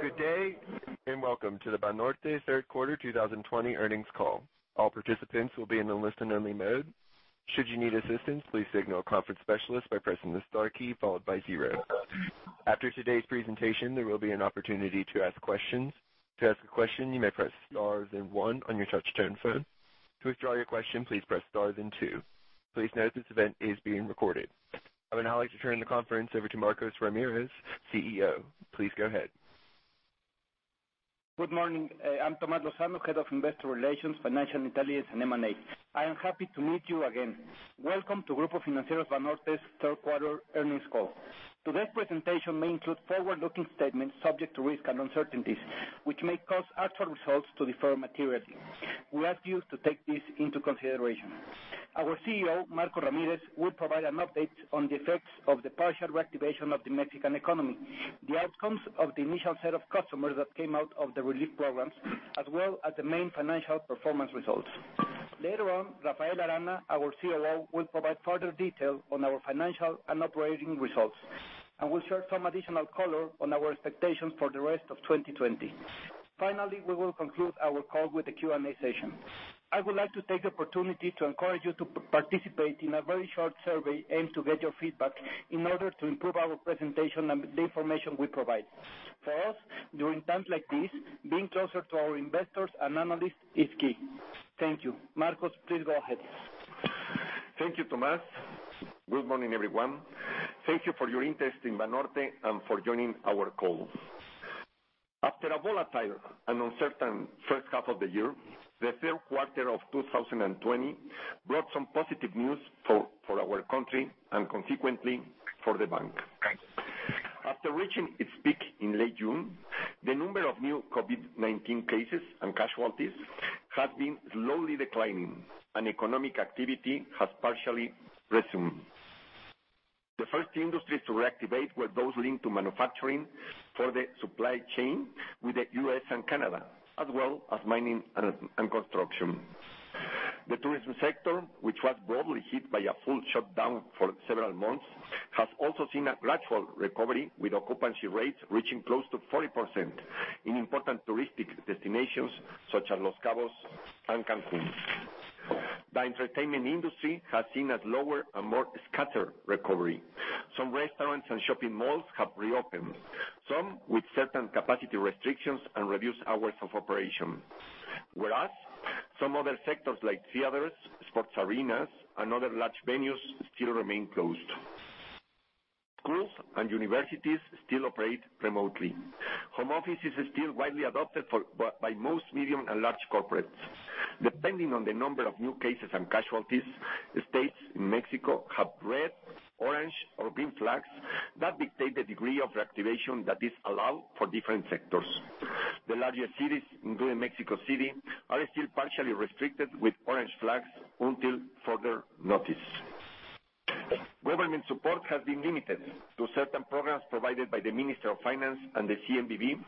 Good day. Welcome to the Banorte third quarter 2020 earnings call. All participants will be in a listen-only mode. Should you need assistance, please signal a conference specialist by pressing the star key, followed by zero. After today's presentation, there will be an opportunity to ask questions. To ask a question, you may press star then one on your touch-tone phone. To withdraw your question, please press star then two. Please note this event is being recorded. I would now like to turn the conference over to Marcos Ramírez, CEO. Please go ahead. Good morning. I'm Tomás Lozano, Head of Investor Relations, Financial Intelligence and M&A. I am happy to meet you again. Welcome to Grupo Financiero Banorte's third quarter earnings call. Today's presentation may include forward-looking statements subject to risks and uncertainties, which may cause actual results to differ materially. We ask you to take this into consideration. Our CEO, Marcos Ramírez, will provide an update on the effects of the partial reactivation of the Mexican economy, the outcomes of the initial set of customers that came out of the relief programs, as well as the main financial performance results. Later on, Rafael Arana, our COO, will provide further detail on our financial and operating results and will share some additional color on our expectations for the rest of 2020. Finally, we will conclude our call with a Q&A session. I would like to take the opportunity to encourage you to participate in a very short survey aimed to get your feedback in order to improve our presentation and the information we provide. For us, during times like these, being closer to our investors and analysts is key. Thank you. Marcos, please go ahead. Thank you, Tomás. Good morning, everyone. Thank you for your interest in Banorte and for joining our call. After a volatile and uncertain first half of the year, the third quarter of 2020 brought some positive news for our country and consequently, for the bank. After reaching its peak in late June, the number of new COVID-19 cases and casualties has been slowly declining, and economic activity has partially resumed. The first industries to reactivate were those linked to manufacturing for the supply chain with the U.S. and Canada, as well as mining and construction. The tourism sector, which was broadly hit by a full shutdown for several months, has also seen a gradual recovery, with occupancy rates reaching close to 40% in important touristic destinations such as Los Cabos and Cancun. The entertainment industry has seen a lower and more scattered recovery. Some restaurants and shopping malls have reopened, some with certain capacity restrictions and reduced hours of operation. Some other sectors like theaters, sports arenas, and other large venues still remain closed. Schools and universities still operate remotely. Home office is still widely adopted by most medium and large corporates. Depending on the number of new cases and casualties, states in Mexico have red, orange, or green flags that dictate the degree of reactivation that is allowed for different sectors. The largest cities, including Mexico City, are still partially restricted with orange flags until further notice. Government support has been limited to certain programs provided by the Ministry of Finance and the CNBV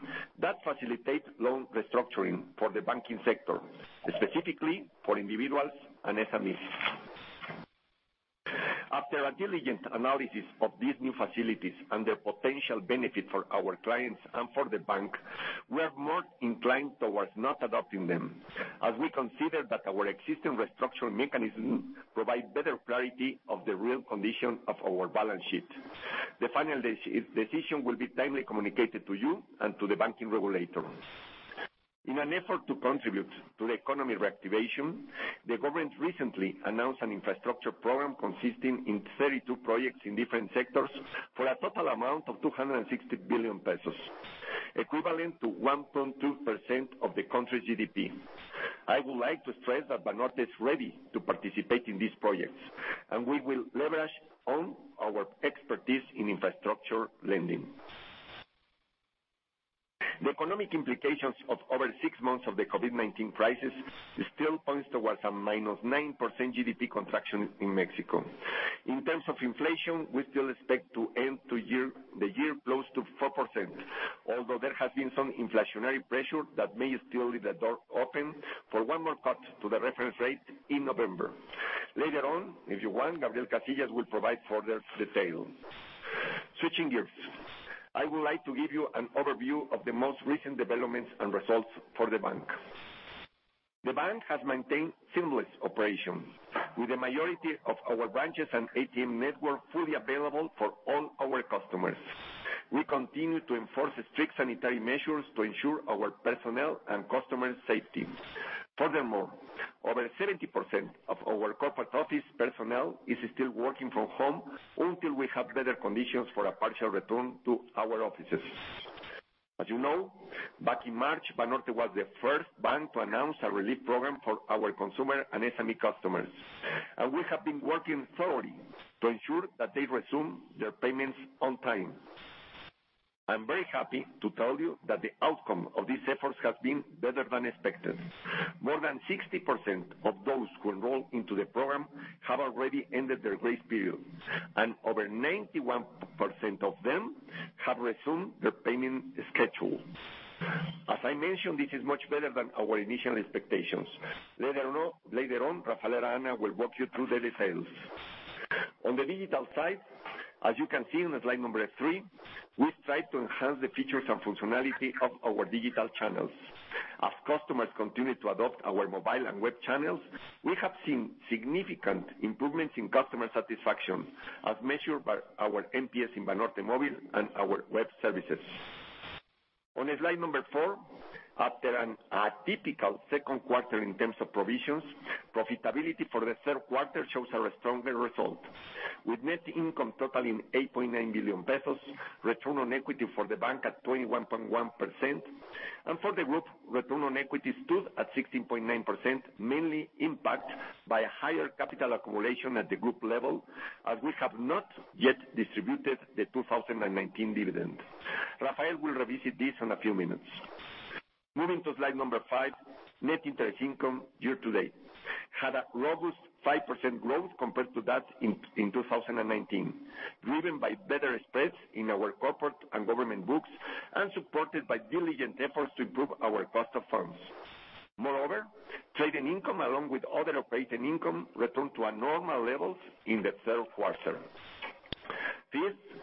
that facilitate loan restructuring for the banking sector, specifically for individuals and SMEs. After a diligent analysis of these new facilities and their potential benefit for our clients and for the bank, we are more inclined towards not adopting them, as we consider that our existing restructuring mechanism provides better clarity of the real condition of our balance sheet. The final decision will be timely communicated to you and to the banking regulators. In an effort to contribute to the economy reactivation, the government recently announced an infrastructure program consisting of 32 projects in different sectors for a total amount of 260 billion pesos, equivalent to 1.2% of the country's GDP. I would like to stress that Banorte is ready to participate in these projects, and we will leverage all our expertise in infrastructure lending. The economic implications of over six months of the COVID-19 crisis still points towards a -9% GDP contraction in Mexico. In terms of inflation, we still expect to end the year close to 4%, although there has been some inflationary pressure that may still leave the door open for one more cut to the reference rate in November. Later on, if you want, Gabriel Casillas will provide further details. Switching gears, I would like to give you an overview of the most recent developments and results for the Bank. The Bank has maintained seamless operations, with the majority of our branches and ATM network fully available for all our customers. We continue to enforce strict sanitary measures to ensure our personnel and customers' safety. Furthermore, over 70% of our corporate office personnel is still working from home until we have better conditions for a partial return to our offices. As you know, back in March, Banorte was the first bank to announce a relief program for our consumer and SME customers, and we have been working thoroughly to ensure that they resume their payments on time. I'm very happy to tell you that the outcome of these efforts has been better than expected. More than 60% of those who enrolled in the program have already ended their grace period, and over 91% of them have resumed their payment schedule. As I mentioned, this is much better than our initial expectations. Later on, Rafael Arana will walk you through the details. On the digital side, as you can see on slide number three, we've tried to enhance the features and functionality of our digital channels. As customers continue to adopt our mobile and web channels, we have seen significant improvements in customer satisfaction as measured by our NPS in Banorte Móvil and our web services. On slide number four, after an atypical second quarter in terms of provisions, profitability for the third quarter shows a stronger result, with net income totaling 8.9 billion pesos, return on equity for the bank at 21.1%, and for the group, return on equity stood at 16.9%, mainly impacted by higher capital accumulation at the group level, as we have not yet distributed the 2019 dividend. Rafael will revisit this in a few minutes. Moving to slide number five, net interest income year-to-date had a robust 5% growth compared to that in 2019, driven by better spreads in our corporate and government books and supported by diligent efforts to improve our cost of funds. Moreover, trading income, along with other operating income, returned to normal levels in the third quarter. Fifth,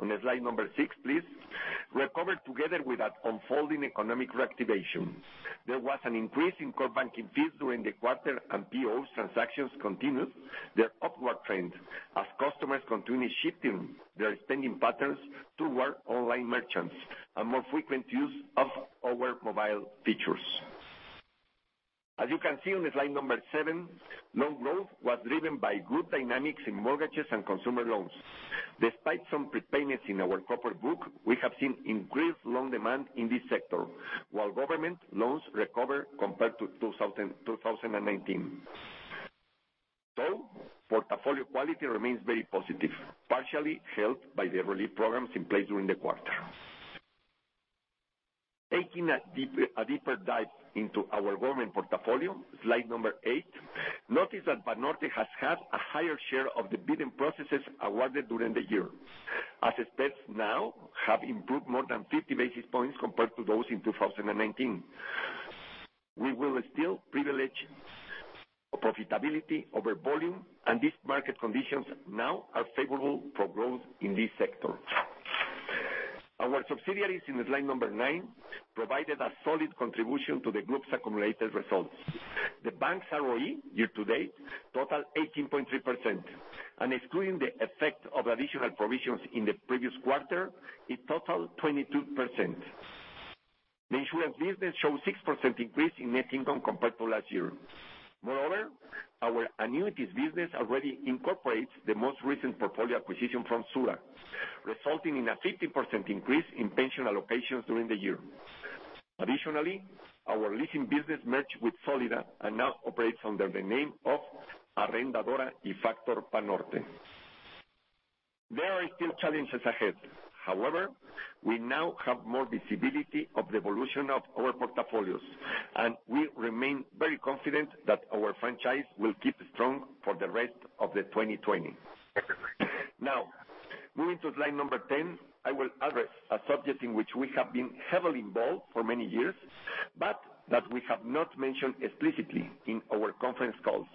on slide number six, please, recovered together with that unfolding economic reactivation. There was an increase in core banking fees during the quarter. POS transactions continued their upward trend as customers continue shifting their spending patterns toward online merchants and more frequent use of our mobile features. As you can see on slide number seven, loan growth was driven by good dynamics in mortgages and consumer loans. Despite some prepayments in our corporate book, we have seen increased loan demand in this sector, while government loans recovered compared to 2019. Portfolio quality remains very positive, partially helped by the relief programs in place during the quarter. Taking a deeper dive into our government portfolio, slide number eight, notice that Banorte has had a higher share of the bidding processes awarded during the year. As spreads now have improved more than 50 basis points compared to those in 2019. We will still privilege profitability over volume, and these market conditions now are favorable for growth in this sector. Our subsidiaries in slide number nine provided a solid contribution to the group's accumulated results. The bank's ROE year-to-date totaled 18.3%, and excluding the effect of additional provisions in the previous quarter, it totaled 22%. The insurance business showed 6% increase in net income compared to last year. Moreover, our annuities business already incorporates the most recent portfolio acquisition from SURA, resulting in a 50% increase in pension allocations during the year. Our leasing business merged with Sólida and now operates under the name of Arrendadora y Factor Banorte. There are still challenges ahead. We now have more visibility of the evolution of our portfolios, and we remain very confident that our franchise will keep strong for the rest of the 2020. Moving to slide number 10, I will address a subject in which we have been heavily involved for many years, but that we have not mentioned explicitly in our conference calls,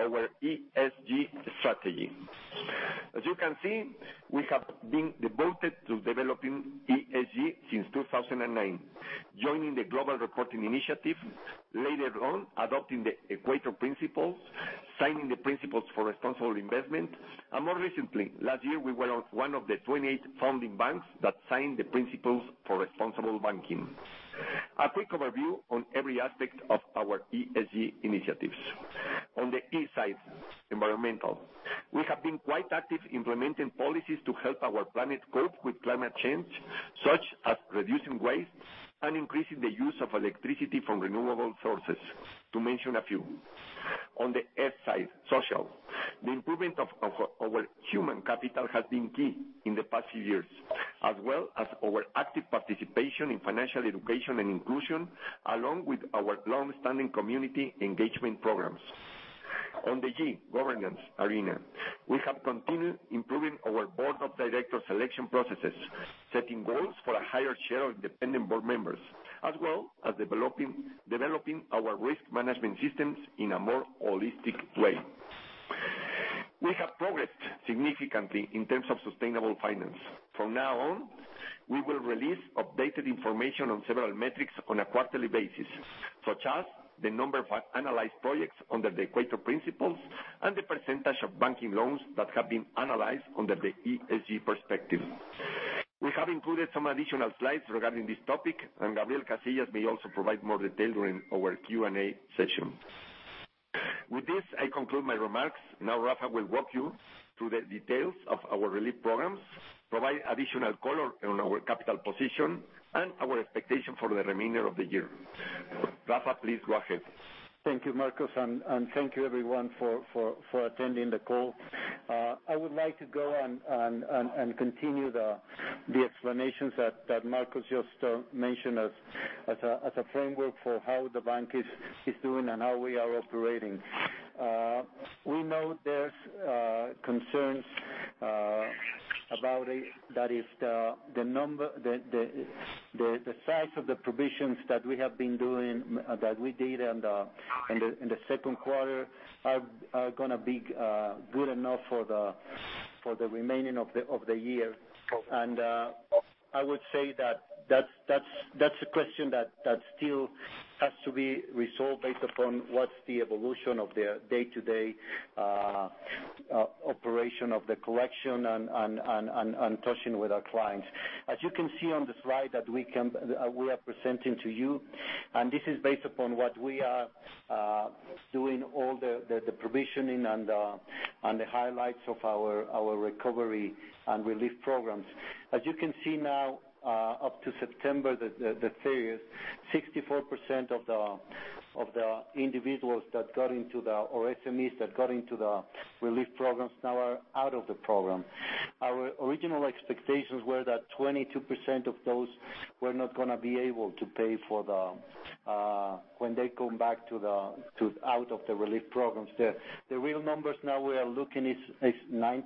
our ESG strategy. We have been devoted to developing ESG since 2009, joining the Global Reporting Initiative, later on adopting the Equator Principles, signing the Principles for Responsible Investment, and more recently, last year, we were one of the 28 founding banks that signed the Principles for Responsible Banking. A quick overview on every aspect of our ESG initiatives. On the E side, environmental, we have been quite active implementing policies to help our planet cope with climate change, such as reducing waste and increasing the use of electricity from renewable sources, to mention a few. On the S side, social, the improvement of our human capital has been key in the past few years, as well as our active participation in financial education and inclusion, along with our long-standing community engagement programs. On the G, governance arena, we have continued improving our board of directors selection processes, setting goals for a higher share of independent board members, as well as developing our risk management systems in a more holistic way. We have progressed significantly in terms of sustainable finance. From now on, we will release updated information on several metrics on a quarterly basis, such as the number of analyzed projects under the Equator Principles and the percentage of banking loans that have been analyzed under the ESG perspective. We have included some additional slides regarding this topic, and Gabriel Casillas may also provide more detail during our Q&A session. With this, I conclude my remarks. Rafa will walk you through the details of our relief programs, provide additional color on our capital position, and our expectation for the remainder of the year. Rafa, please go ahead. Thank you, Marcos, thank you, everyone, for attending the call. I would like to go and continue the explanations that Marcos just mentioned as a framework for how the bank is doing and how we are operating. We know there's concerns about it, that is the size of the provisions that we did in the second quarter are going to be good enough for the remaining of the year. I would say that's a question that still has to be resolved based upon what's the evolution of the day-to-day operation of the collection, and touching with our clients. As you can see on the slide that we are presenting to you, and this is based upon what we are doing, all the provisioning and the highlights of our recovery and relief programs. As you can see now, up to September, the figure is 64% of the individuals or SMEs that got into the relief programs now are out of the program. Our original expectations were that 22% of those were not going to be able to pay when they come back out of the relief programs. The real numbers now we are looking is 9%.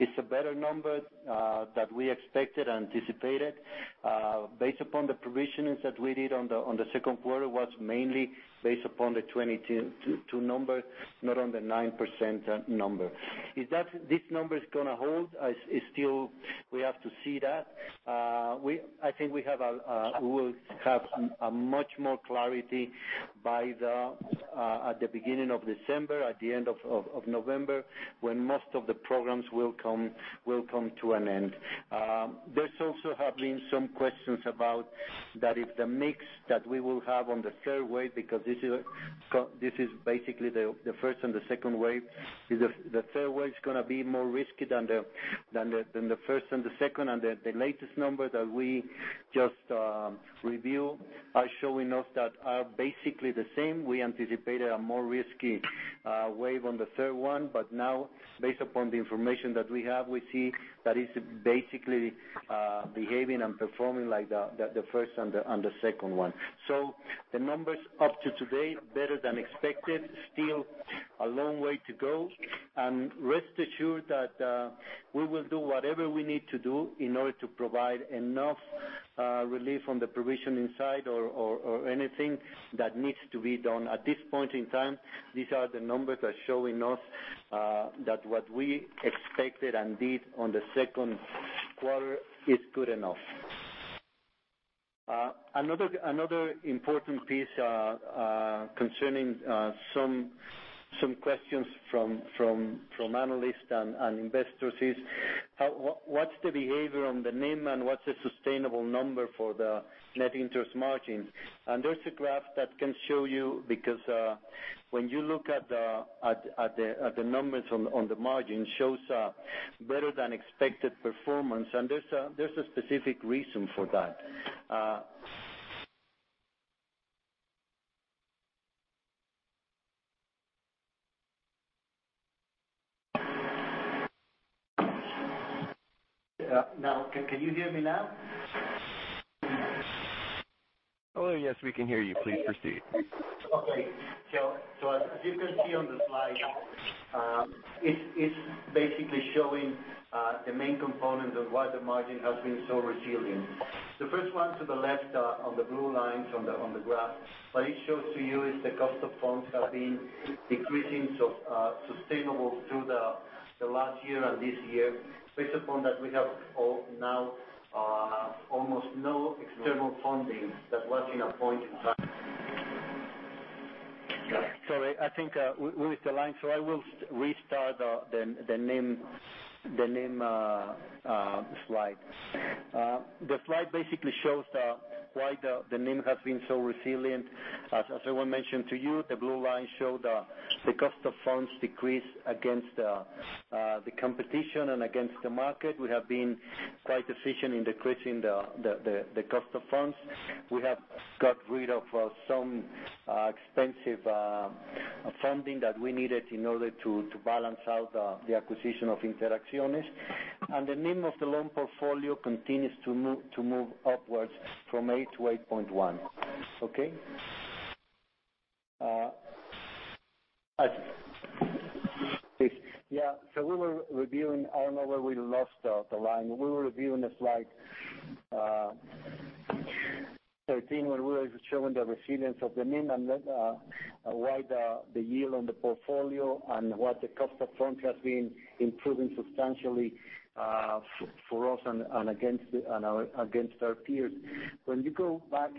It's a better number that we expected and anticipated. Based upon the provisions that we did on the second quarter, was mainly based upon the 22 number, not on the 9% number. If this number is going to hold, still, we have to see that. I think we will have a much more clarity at the beginning of December, at the end of November, when most of the programs will come to an end. There's also have been some questions about that if the mix that we will have on the third wave, because this is basically the first and the second wave, the third wave is going to be more risky than the first and the second, and the latest number that we just reviewed are showing us that are basically the same. We anticipated a more risky wave on the third one. Now, based upon the information that we have, we see that it's basically behaving and performing like the first and the second one. The numbers up to today, better than expected, still a long way to go. Rest assured that we will do whatever we need to do in order to provide enough relief on the provisioning side or anything that needs to be done. At this point in time, these are the numbers are showing us that what we expected and did on the second quarter is good enough. Another important piece concerning some questions from analysts and investors is, what's the behavior on the NIM and what's the sustainable number for the net interest margins? There's a graph that can show you, because when you look at the numbers on the margin, shows a better-than-expected performance. There's a specific reason for that. Now, can you hear me now? Hello, yes, we can hear you. Please proceed. Okay. As you can see on the slide, it's basically showing the main component of why the margin has been so resilient. The first one to the left on the blue lines on the graph, what it shows to you is the cost of funds have been decreasing sustainable through the last year and this year, based upon that, we have now almost no external funding that was in a point in time. Sorry, I think we lost the line. I will restart the NIM slide. The slide basically shows why the NIM has been so resilient. As I mentioned to you, the blue line show the cost of funds decreased against the competition and against the market. We have been quite efficient in decreasing the cost of funds. We have got rid of some expensive funding that we needed in order to balance out the acquisition of Interacciones. The NIM of the loan portfolio continues to move upwards from 8-8.1. Okay. Yeah. We were reviewing, I don't know where we lost the line. We were reviewing the slide 13, where we were showing the resilience of the NIM and why the yield on the portfolio and what the cost of funds has been improving substantially for us and against our peers. When you go back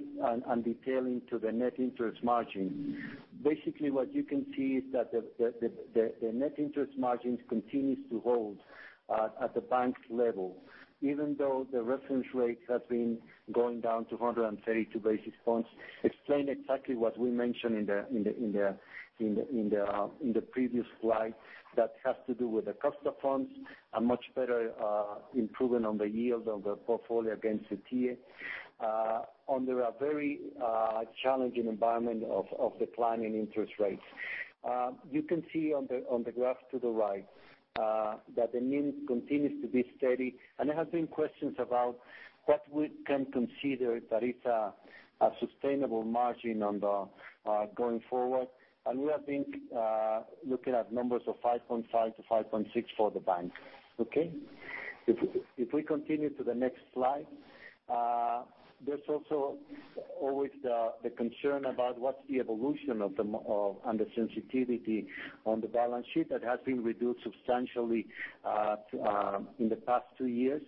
and detailing to the net interest margin, basically what you can see is that the net interest margin continues to hold at the bank's level, even though the reference rate has been going down to 132 basis points. Explain exactly what we mentioned in the previous slide that has to do with the cost of funds, a much better improvement on the yield of the portfolio against the tier under a very challenging environment of declining interest rates. You can see on the graph to the right that the NIM continues to be steady, there have been questions about what we can consider that is a sustainable margin going forward. We have been looking at numbers of 5.5-5.6 for the bank. Okay? If we continue to the next slide. There's also always the concern about what's the evolution and the sensitivity on the balance sheet that has been reduced substantially in the past two years.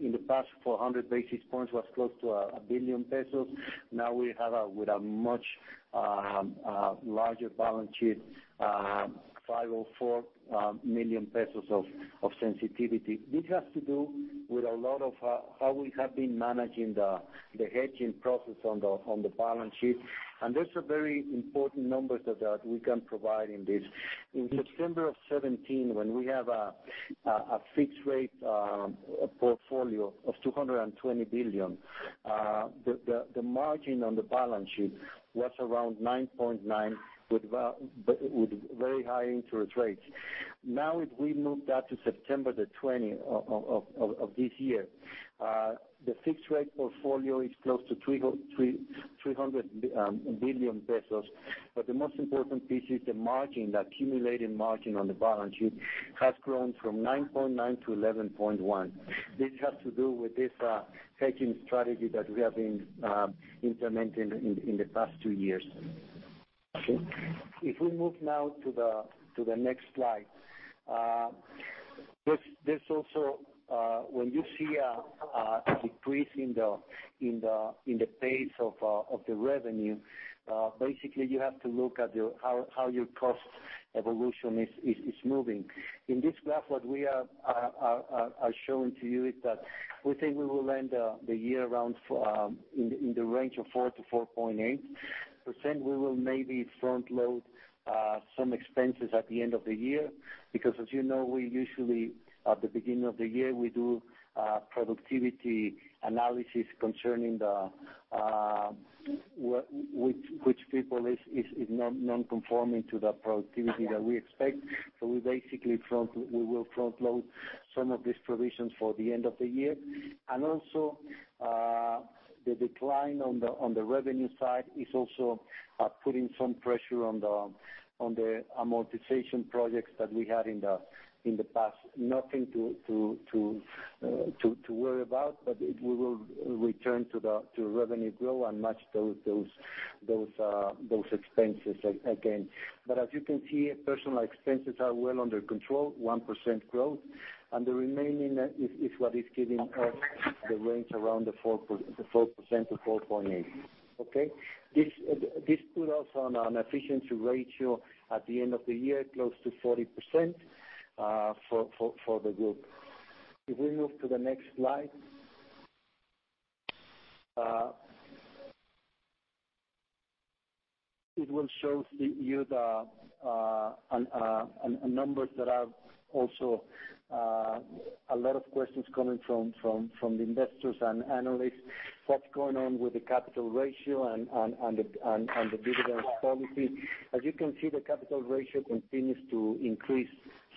In the past 400 basis points was close to 1 billion pesos. Now we have a much larger balance sheet, 504 million pesos of sensitivity. This has to do with a lot of how we have been managing the hedging process on the balance sheet. That's a very important number that we can provide in this. In September of 2017, when we have a fixed rate portfolio of 220 billion, the margin on the balance sheet was around 9.9 with very high interest rates. Now, if we move that to September 20th of this year, the fixed rate portfolio is close to 300 billion pesos. The most important piece is the margin. The accumulated margin on the balance sheet has grown from 9.9%-11.1%. This has to do with this hedging strategy that we have been implementing in the past two years. If we move now to the next slide. There's also, when you see a decrease in the pace of the revenue, basically you have to look at how your cost evolution is moving. In this graph, what we are showing to you is that we think we will end the year in the range of 4%-4.8%. We will maybe front-load some expenses at the end of the year because, as you know, we usually, at the beginning of the year, we do productivity analysis concerning which people is non-conforming to the productivity that we expect. We basically will front-load some of these provisions for the end of the year. Also, the decline on the revenue side is also putting some pressure on the amortization projects that we had in the past. Nothing to worry about, we will return to revenue growth and match those expenses again. As you can see, personal expenses are well under control, 1% growth, and the remaining is what is giving us the range around the 4%-4.8%. Okay? This put us on an efficiency ratio at the end of the year, close to 40% for the group. If we move to the next slide. It will show you the numbers that are also a lot of questions coming from the investors and analysts. What's going on with the capital ratio and the dividend policy? As you can see, the capital ratio continues to increase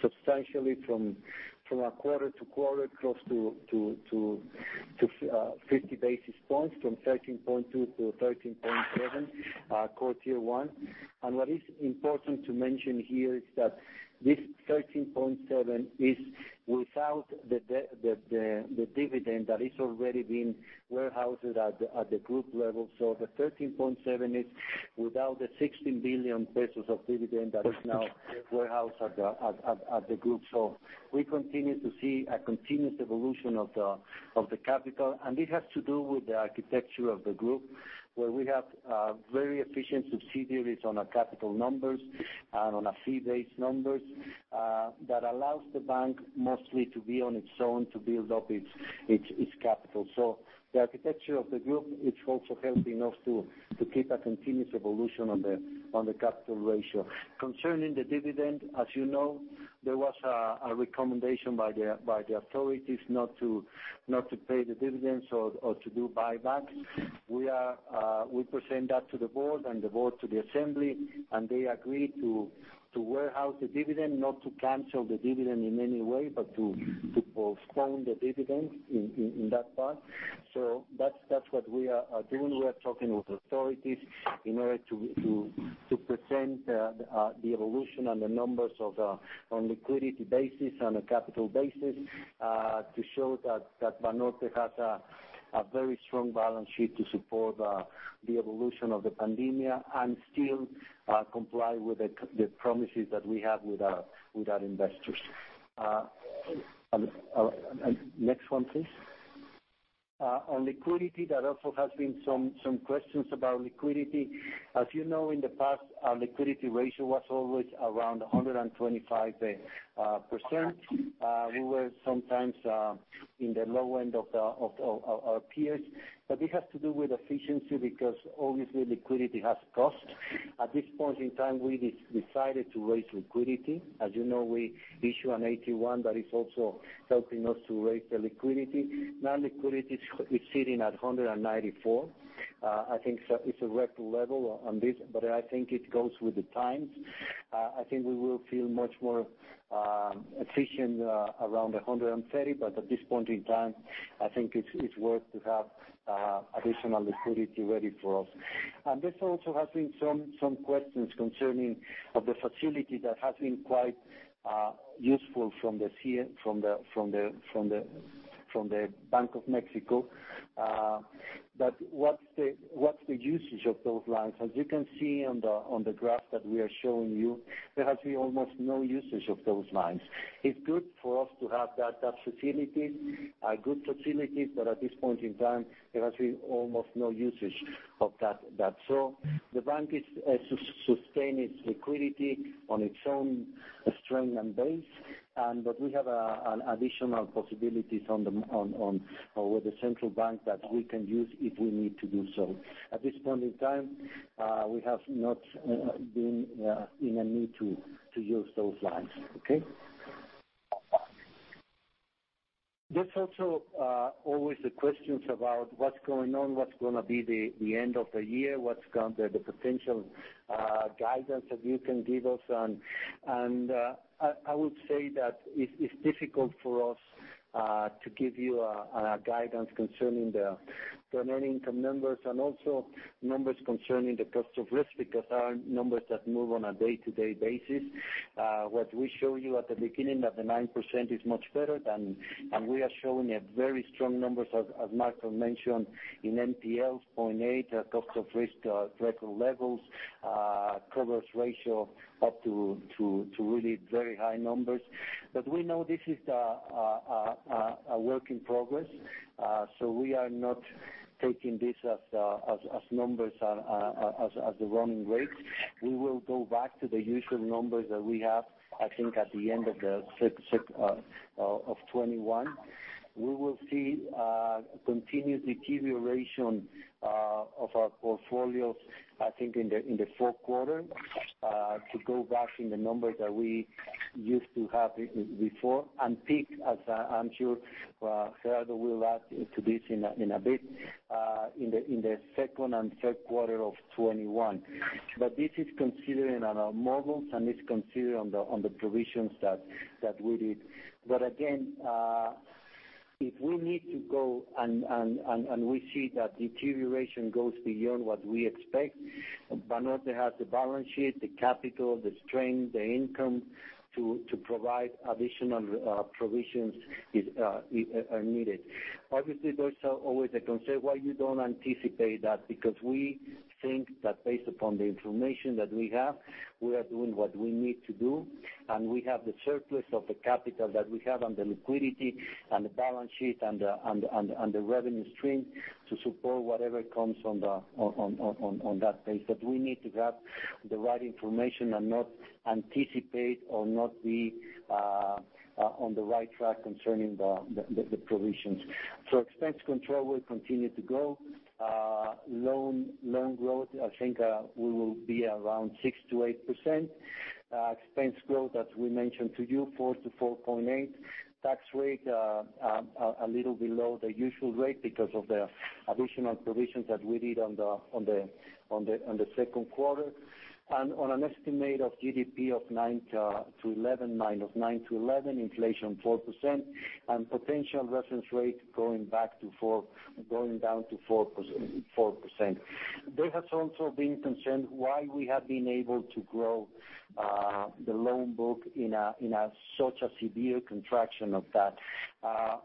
substantially from a quarter-to-quarter, close to 50 basis points, from 13.2-13.7 Core Tier 1. What is important to mention here is that this 13.7 is without the dividend that is already being warehoused at the group level. The 13.7 is without the 16 billion pesos of dividend that is now warehoused at the group. We continue to see a continuous evolution of the capital, and it has to do with the architecture of the group, where we have very efficient subsidiaries on our capital numbers and on our fee-based numbers that allows the bank mostly to be on its own, to build up its capital. The architecture of the group is also helping us to keep a continuous evolution on the capital ratio. Concerning the dividend, as you know, there was a recommendation by the authorities not to pay the dividends or to do buybacks. We present that to the board and the board to the assembly, and they agreed to warehouse the dividend. Not to cancel the dividend in any way, but to postpone the dividend in that part. That's what we are doing. We are talking with authorities in order to present the evolution and the numbers on liquidity basis, on a capital basis to show that Banorte has a very strong balance sheet to support the evolution of the pandemic and still comply with the promises that we have with our investors. Next one, please. On liquidity, there also has been some questions about liquidity. As you know, in the past, our liquidity ratio was always around 125%. We were sometimes in the low end of our peers. It has to do with efficiency, because obviously liquidity has cost. At this point in time, we decided to raise liquidity. As you know, we issue an AT1 that is also helping us to raise the liquidity. Now liquidity is sitting at 194. I think it's a record level on this, but I think it goes with the times. I think we will feel much more efficient around 130, but at this point in time, I think it's worth to have additional liquidity ready for us. This also has been some questions concerning of the facility that has been quite useful from the Bank of Mexico. What's the usage of those lines? As you can see on the graph that we are showing you, there has been almost no usage of those lines. It's good for us to have that facility, a good facility, but at this point in time, there has been almost no usage of that. The bank is sustaining its liquidity on its own strength and base. We have additional possibilities with the central bank that we can use if we need to do so. At this point in time, we have not been in a need to use those lines. Okay? There's also always the questions about what's going on, what's going to be the end of the year, what's the potential guidance that you can give us. I would say that it's difficult for us to give you a guidance concerning the net income numbers and also numbers concerning the cost of risk, because our numbers move on a day-to-day basis. What we show you at the beginning of the 9% is much better than and we are showing very strong numbers, as Marcos mentioned, in NPLs, 0.8. Our cost of risk, record levels. Coverage ratio up to really very high numbers. We know this is a work in progress. We are not taking these as numbers or as the running rates. We will go back to the usual numbers that we have, I think, at the end of 2021. We will see a continued deterioration of our portfolios, I think, in the fourth quarter, to go back in the numbers that we used to have before, and peak, as I'm sure Gerardo will add to this in a bit, in the second and third quarter of 2021. This is considering on our models, and it's considering on the provisions that we did. Again, if we need to go and we see that deterioration goes beyond what we expect, Banorte has the balance sheet, the capital, the strength, the income to provide additional provisions are needed. Obviously, there is always a concern why you don't anticipate that, because we think that based upon the information that we have, we are doing what we need to do, and we have the surplus of the capital that we have, and the liquidity and the balance sheet and the revenue stream to support whatever comes on that base. We need to have the right information and not anticipate or not be on the right track concerning the provisions. Expense control will continue to grow. Loan growth, I think, will be around 6%-8%. Expense growth, as we mentioned to you, 4%-4.8%. Tax rate, a little below the usual rate because of the additional provisions that we did on the second quarter. On an estimate of GDP of 9%-11%, inflation 4%, and potential reference rate going down to 4%. There has also been concern why we have been able to grow the loan book in such a severe contraction of that.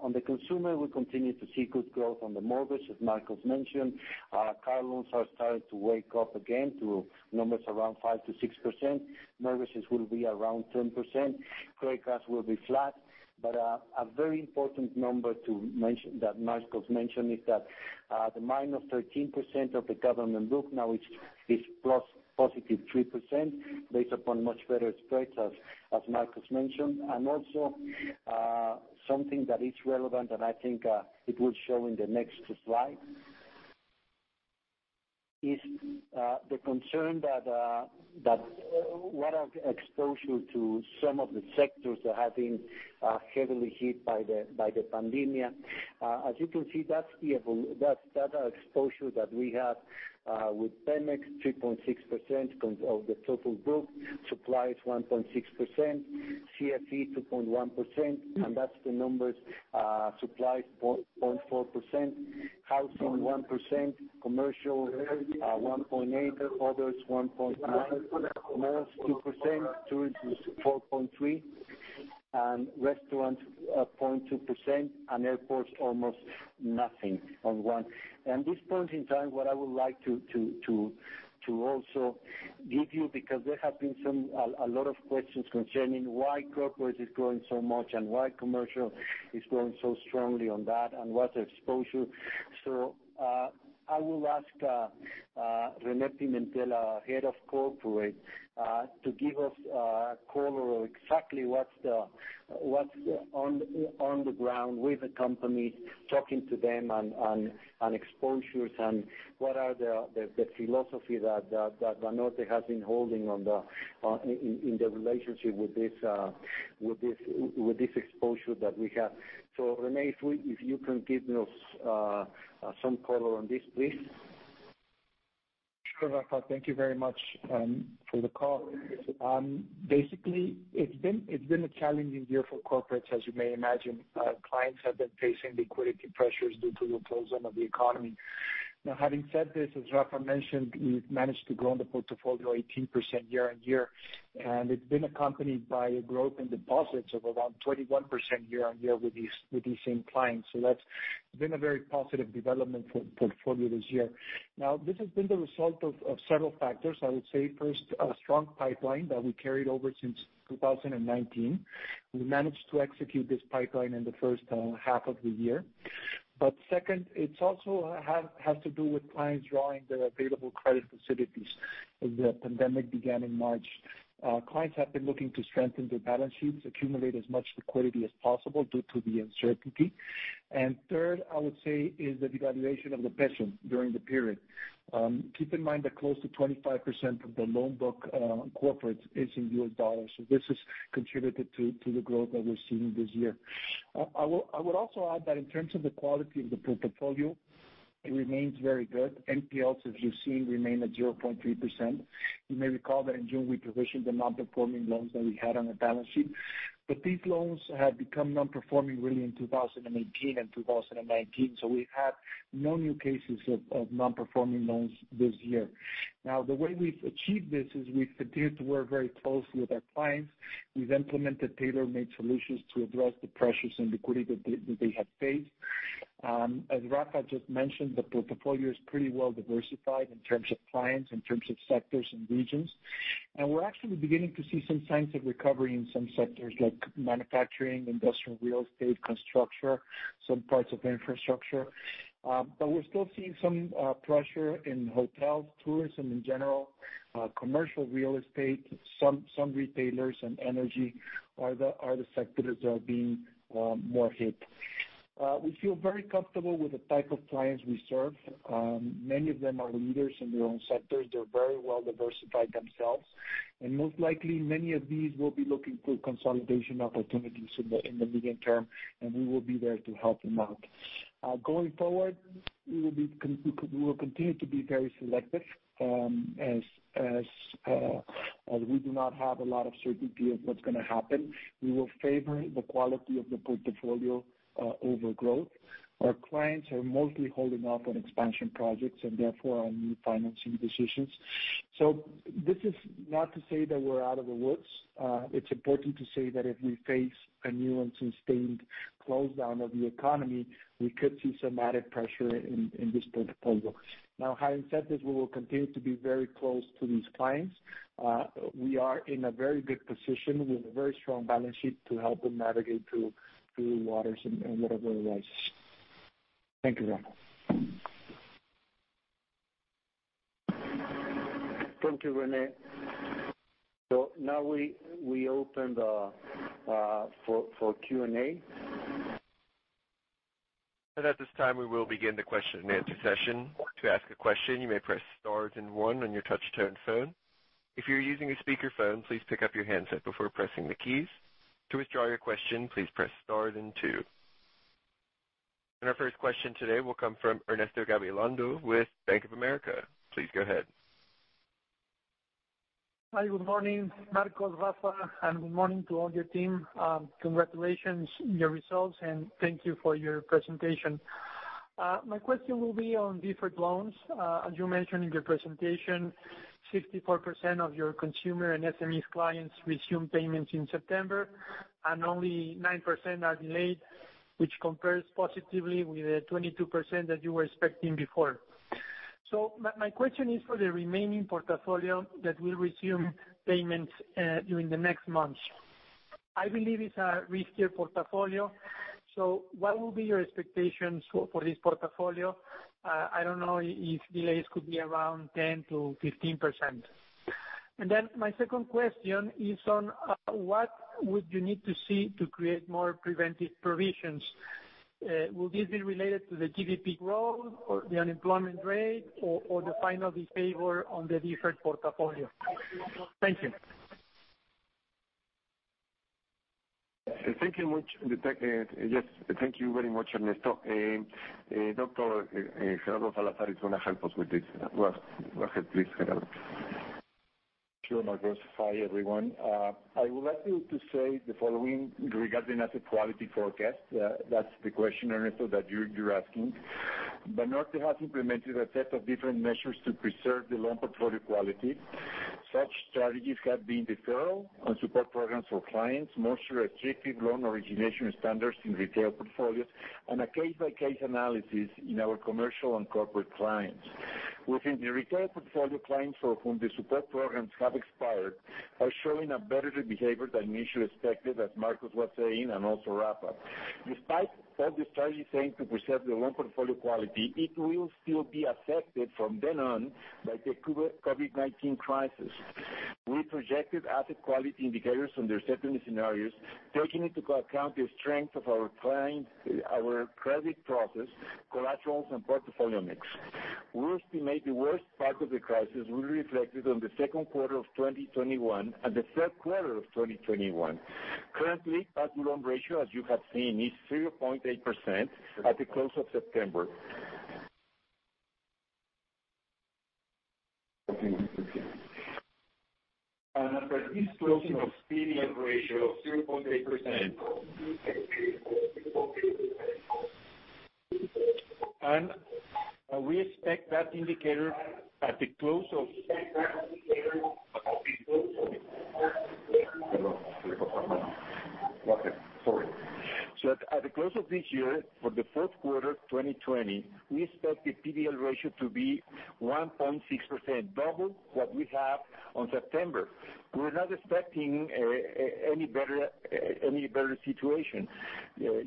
On the consumer, we continue to see good growth on the mortgage, as Marcos mentioned. Car loans are starting to wake up again to numbers around 5%-6%. Mortgages will be around 10%. Credit cards will be flat. A very important number that Marcos mentioned is that the -13% of the government book now is +3%, based upon much better spreads, as Marcos mentioned. Also, something that is relevant, and I think it will show in the next slide, is the concern that our exposure to some of the sectors that have been heavily hit by the pandemic. As you can see, that's the exposure that we have with Pemex, 3.6% of the total book. Suppliers, 1.6%. CFE, 2.1%. That's the numbers. Supplies, 0.4%. Housing, 1%. Commercial, 1.8%. Others, 1.9%. Malls, 2%. Tourism is 4.3%. Restaurants, 0.2%. Airports, almost nothing, on one. At this point in time, what I would like to also give you, because there have been a lot of questions concerning why corporate is growing so much and why commercial is growing so strongly on that, and what's the exposure. I will ask René Pimentel, our Head of corporate, to give us a color on exactly what's on the ground with the company, talking to them on exposures and what are the philosophy that Banorte has been holding in the relationship with this exposure that we have. René, if you can give us some color on this, please. Sure, Rafa. Thank you very much for the call. Basically, it's been a challenging year for corporates, as you may imagine. Clients have been facing liquidity pressures due to the close-down of the economy. Now, having said this, as Rafa mentioned, we've managed to grow the portfolio 18% year-on-year. It's been accompanied by a growth in deposits of around 21% year-on-year with these same clients. It's been a very positive development for the portfolio this year. Now, this has been the result of several factors. I would say first, a strong pipeline that we carried over since 2019. We managed to execute this pipeline in the first half of the year. Second, it also has to do with clients drawing their available credit facilities as the pandemic began in March. Clients have been looking to strengthen their balance sheets, accumulate as much liquidity as possible due to the uncertainty. Third, I would say, is the devaluation of the peso during the period. Keep in mind that close to 25% of the loan book corporate is in US dollars. This has contributed to the growth that we're seeing this year. Also add that in terms of the quality of the portfolio, it remains very good. NPLs, as you've seen, remain at 0.3%. You may recall that in June, we provisioned the non-performing loans that we had on the balance sheet, but these loans had become non-performing really in 2018 and 2019. We had no new cases of non-performing loans this year. The way we've achieved this is we continued to work very closely with our clients. We've implemented tailor-made solutions to address the pressures in liquidity that they have faced. As Rafa just mentioned, the portfolio is pretty well diversified in terms of clients, in terms of sectors and regions. We're actually beginning to see some signs of recovery in some sectors like manufacturing, industrial real estate, construction, some parts of infrastructure. We're still seeing some pressure in hotels, tourism in general, commercial real estate, some retailers and energy are the sectors that are being more hit. We feel very comfortable with the type of clients we serve. Many of them are leaders in their own sectors. They're very well diversified themselves, and most likely many of these will be looking for consolidation opportunities in the medium term, and we will be there to help them out. Going forward, we will continue to be very selective, as we do not have a lot of certainty of what's going to happen. We will favor the quality of the portfolio over growth. Our clients are mostly holding off on expansion projects and therefore on new financing decisions. This is not to say that we're out of the woods. It's important to say that if we face a new and sustained close down of the economy, we could see some added pressure in this portfolio. Now, having said this, we will continue to be very close to these clients. We are in a very good position with a very strong balance sheet to help them navigate through waters and whatever arises. Thank you, Rafa. Thank you, René. Now we open for Q&A. At this time, we will begin the question and answer session. To ask a question, please press star one on your touch tone phone. If you are using a speaker phone please pick up your handset before before pressing the keys. To withdraw your question please press star then two. Our first question today will come from Ernesto Gabilondo with Bank of America. Please go ahead. Hi, good morning, Marcos, Rafa, good morning to all your team. Congratulations on your results, thank you for your presentation. My question will be on deferred loans. As you mentioned in your presentation, 64% of your consumer and SME clients resumed payments in September, and only 9% are delayed, which compares positively with the 22% that you were expecting before. My question is for the remaining portfolio that will resume payments during the next months. I believe it's a riskier portfolio. What will be your expectations for this portfolio? I don't know if delays could be around 10%-15%. My second question is on what would you need to see to create more preventive provisions? Will this be related to the GDP growth or the unemployment rate or the final behavior on the deferred portfolio? Thank you. Thank you very much, Ernesto. Dr. Gerardo Salazar is going to help us with this. Go ahead, please, Gerardo. Sure, Marcos. Hi, everyone. I would like to say the following regarding asset quality forecast. That's the question, Ernesto, that you're asking. Banorte has implemented a set of different measures to preserve the loan portfolio quality. Such strategies have been deferral and support programs for clients, more restrictive loan origination standards in retail portfolios, and a case-by-case analysis in our commercial and corporate clients. Within the retail portfolio, clients for whom the support programs have expired are showing a better behavior than initially expected, as Marcos was saying, and also Rafa. Despite all the strategies taken to preserve the loan portfolio quality, it will still be affected from then on by the COVID-19 crisis. We projected asset quality indicators under certain scenarios, taking into account the strength of our credit process, collaterals, and portfolio mix. We estimate the worst part of the crisis will be reflected on the second quarter of 2021 and the third quarter of 2021. Currently, past-due loan ratio, as you have seen, is 0.8% at the close of September. At this closing of CD ratio of 0.8%. Sorry. At the close of this year, for the fourth quarter 2020, we expect the PDL ratio to be 1.6%, double what we have on September. We're not expecting any better situation.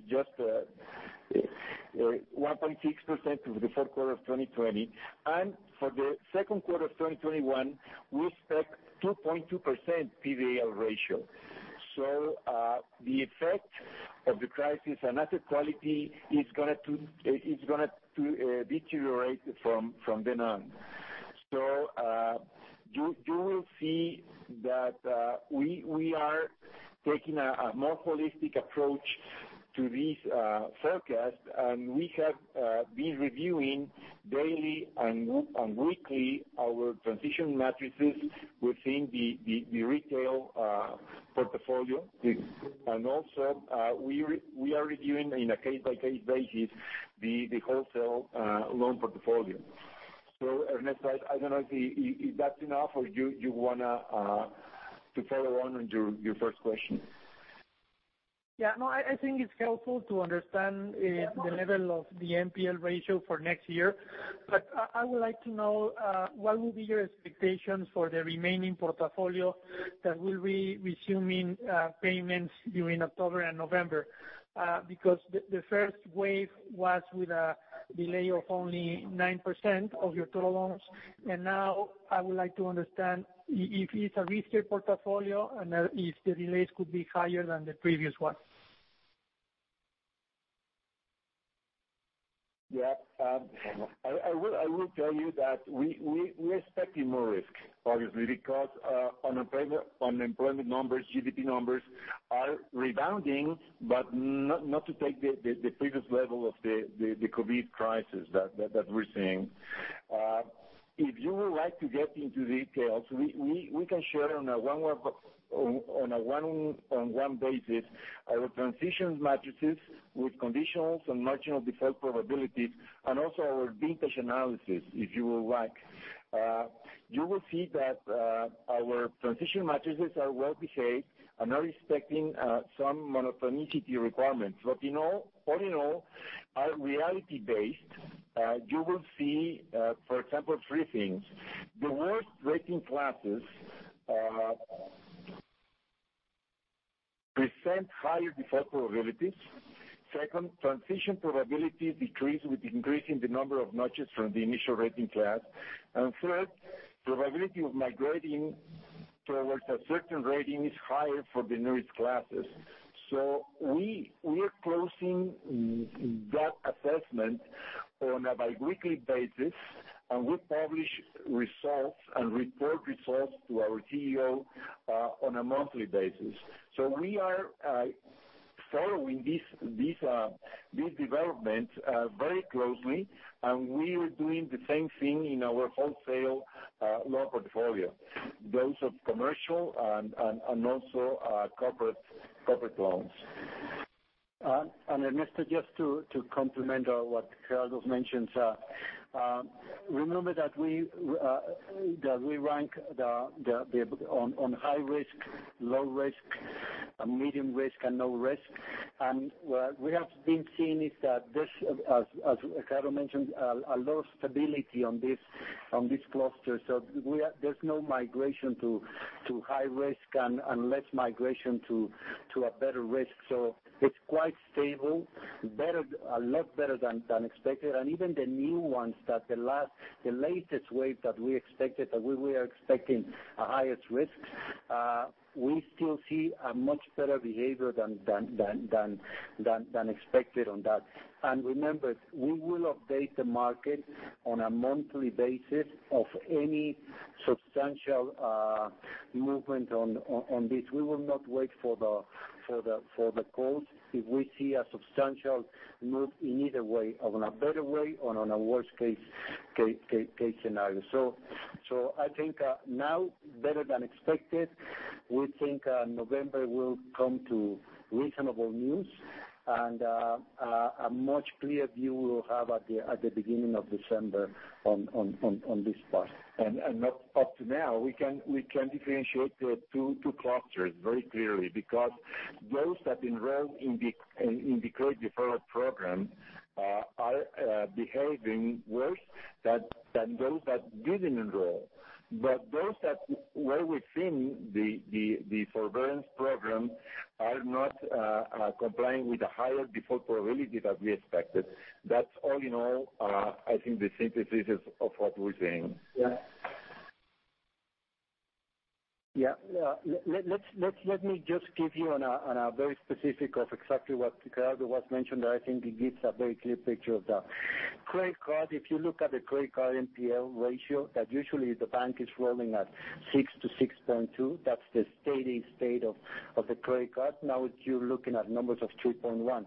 Just 1.6% for the fourth quarter of 2020, and for the second quarter of 2021, we expect 2.2% PDL ratio. The effect of the crisis on asset quality is going to deteriorate from then on. You will see that we are taking a more holistic approach to this forecast, and we have been reviewing daily and weekly our transition matrices within the retail portfolio. Also, we are reviewing on a case-by-case basis, the wholesale loan portfolio. Ernesto, I don't know if that's enough, or you want to follow on your first question? Yeah, I think it's helpful to understand the level of the NPL ratio for next year. I would like to know what will be your expectations for the remaining portfolio that will be resuming payments during October and November. The first wave was with a delay of only 9% of your total loans, and now I would like to understand if it's a risky portfolio and if the delays could be higher than the previous one. Yeah. I will tell you that we are expecting more risk, obviously, because unemployment numbers, GDP numbers are rebounding, but not to take the previous level of the COVID crisis that we're seeing. If you would like to get into details, we can share on a one-on-one basis our transition matrices with conditionals and marginal default probabilities, and also our vintage analysis, if you would like. You will see that our transition matrices are well-behaved and are respecting some monotonicity requirements. All in all, are reality-based. You will see, for example, three things. The worst rating classes present higher default probabilities. Second, transition probabilities decrease with increase in the number of notches from the initial rating class. Third, probability of migrating towards a certain rating is higher for the newest classes. We are closing that assessment on a biweekly basis, and we publish results and report results to our CEO on a monthly basis. We are following this development very closely, and we are doing the same thing in our wholesale loan portfolio, both of commercial and also corporate loans. Ernesto, just to complement what Gerardo mentioned. Remember that we rank on high risk, low risk, medium risk, and no risk. What we have been seeing is that this, as Gerardo mentioned, a lot of stability on this cluster. There's no migration to high risk and less migration to a better risk. It's quite stable, a lot better than expected. Even the new ones that the latest wave that we expected, that we were expecting a highest risk, we still see a much better behavior than expected on that. Remember, we will update the market on a monthly basis of any substantial movement on this. We will not wait for the calls if we see a substantial move in either way, on a better way or on a worst-case scenario. I think now better than expected. We think November will come to reasonable news, and a much clearer view we'll have at the beginning of December on this part. Up to now, we can differentiate the two clusters very clearly, because those that enrolled in the credit deferral program are behaving worse than those that didn't enroll. Those that were within the forbearance program are not complying with the higher default probability that we expected. That's all in all, I think the synthesis of what we're seeing. Yeah. Let me just give you on a very specific of exactly what Gerardo was mentioned. I think it gives a very clear picture of that. Credit card, if you look at the credit card NPL ratio, that usually the bank is rolling at 6%-6.2%. That's the steady state of the credit card. Now you're looking at numbers of 3.1%.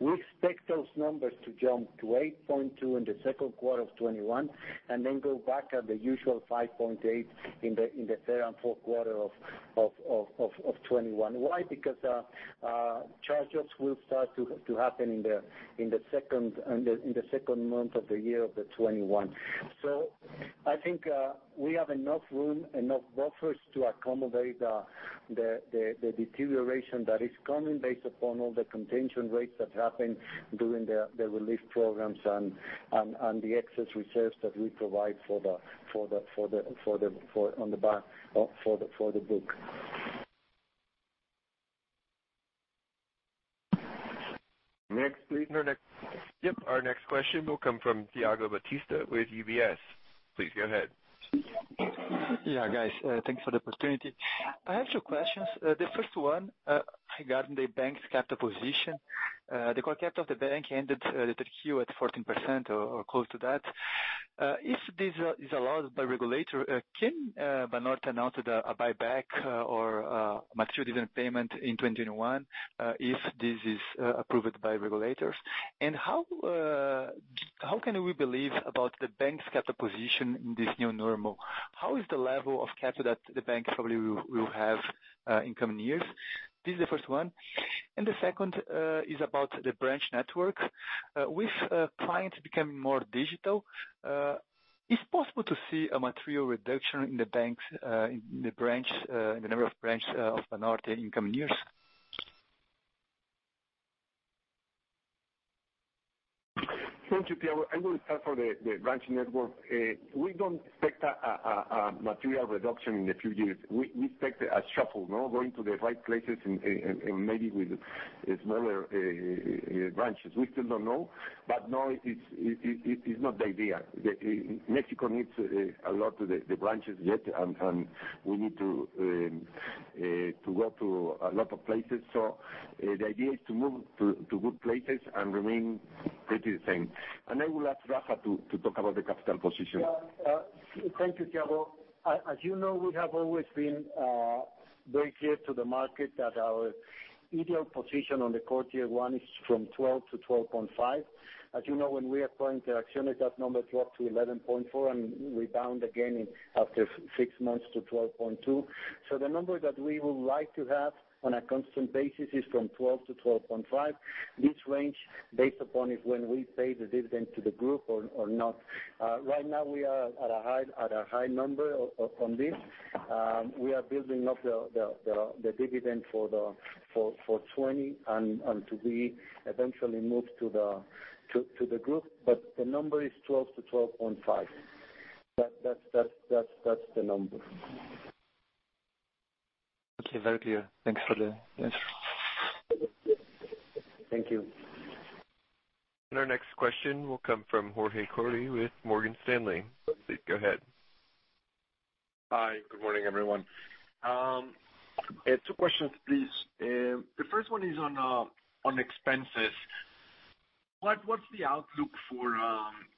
We expect those numbers to jump to 8.2% in the second quarter of 2021, and then go back at the usual 5.8% in the third and fourth quarter of 2021. Why? Charge-offs will start to happen in the second month of the year of 2021. I think we have enough room, enough buffers to accommodate the deterioration that is coming based upon all the contingent rates that happened during the relief programs and the excess reserves that we provide for the book. Next, please. Yep. Our next question will come from Thiago Batista with UBS. Please go ahead. Yeah, guys. Thanks for the opportunity. I have two questions. The first one, regarding the bank's capital position. The core capital of the bank ended the third Q at 14%, or close to that. If this is allowed by regulator, can Banorte announce a buyback or material dividend payment in 2021, if this is approved by regulators? How can we believe about the bank's capital position in this new normal? How is the level of capital that the bank probably will have in coming years? This is the first one. The second is about the branch network. With clients becoming more digital, is it possible to see a material reduction in the number of branches of Banorte in coming years? Thank you, Thiago. I will start for the branch network. We don't expect a material reduction in the future. We expect a shuffle. Going to the right places, maybe with smaller branches. We still don't know. No, it's not the idea. Mexico needs a lot of the branches yet. We need to go to a lot of places. The idea is to move to good places and remain pretty the same. I will ask Rafa to talk about the capital position. Thank you, Thiago. As you know, we have always been very clear to the market that our ideal position on the quarter one is from 12%-12.5%. As you know, when we acquired Afirme, that number dropped to 11.4% and rebound again after six months to 12.2%. The number that we would like to have on a constant basis is from 12%-12.5%. This range, based upon if when we pay the dividend to the group or not. Right now we are at a high number on this. We are building up the dividend for 2020 and to be eventually moved to the group. The number is 12%-12.5%. That's the number. Okay, very clear. Thanks for the answer. Thank you. Our next question will come from Jorge Kuri with Morgan Stanley. Please go ahead. Hi. Good morning, everyone. Two questions, please. The first one is on expenses. What's the outlook for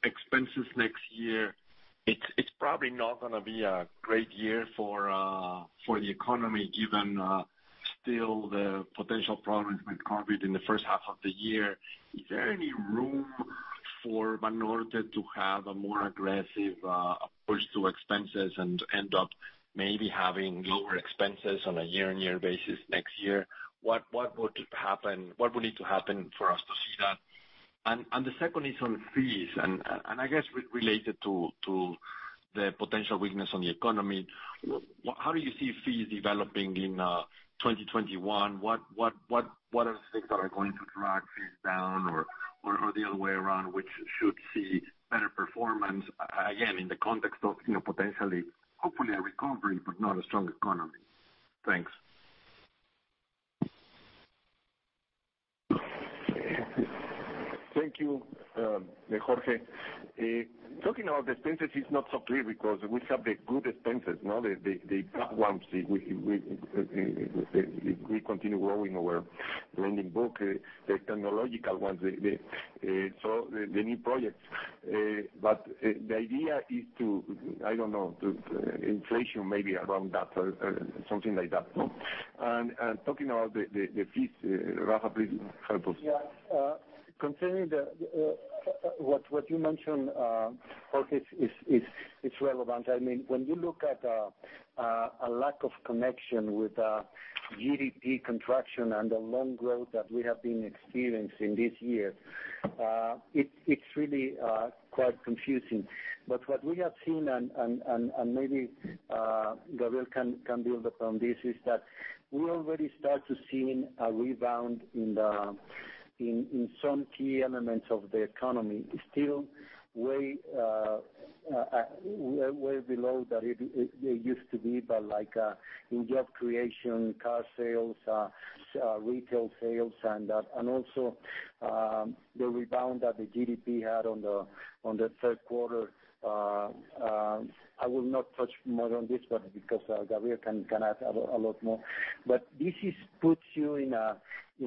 expenses next year? It's probably not going to be a great year for the economy, given still the potential problems with COVID in the first half of the year. Is there any room for Banorte to have a more aggressive approach to expenses and end up maybe having lower expenses on a year-on-year basis next year? What would need to happen for us to see that? The second is on fees, and I guess related to the potential weakness on the economy. How do you see fees developing in 2021? What are the things that are going to drag fees down or the other way around, which should see better performance, again, in the context of potentially, hopefully a recovery, but not a strong economy? Thanks. Thank you, Jorge. Talking about the expenses is not so clear because we have the good expenses, the top ones. We continue growing our lending book, the technological ones, so the new projects. The idea is to, I don't know, to inflation maybe around that or something like that. Talking about the fees, Rafa, please help us. Yeah. Concerning what you mentioned, Jorge, it's relevant. When you look at a lack of connection with GDP contraction and the loan growth that we have been experiencing this year, it's really quite confusing. What we have seen, and maybe Gabriel can build upon this, is that we already start to see a rebound in some key elements of the economy, still way below than it used to be. In job creation, car sales, retail sales, and also the rebound that the GDP had on the third quarter. I will not touch more on this one because Gabriel can add a lot more. This puts you in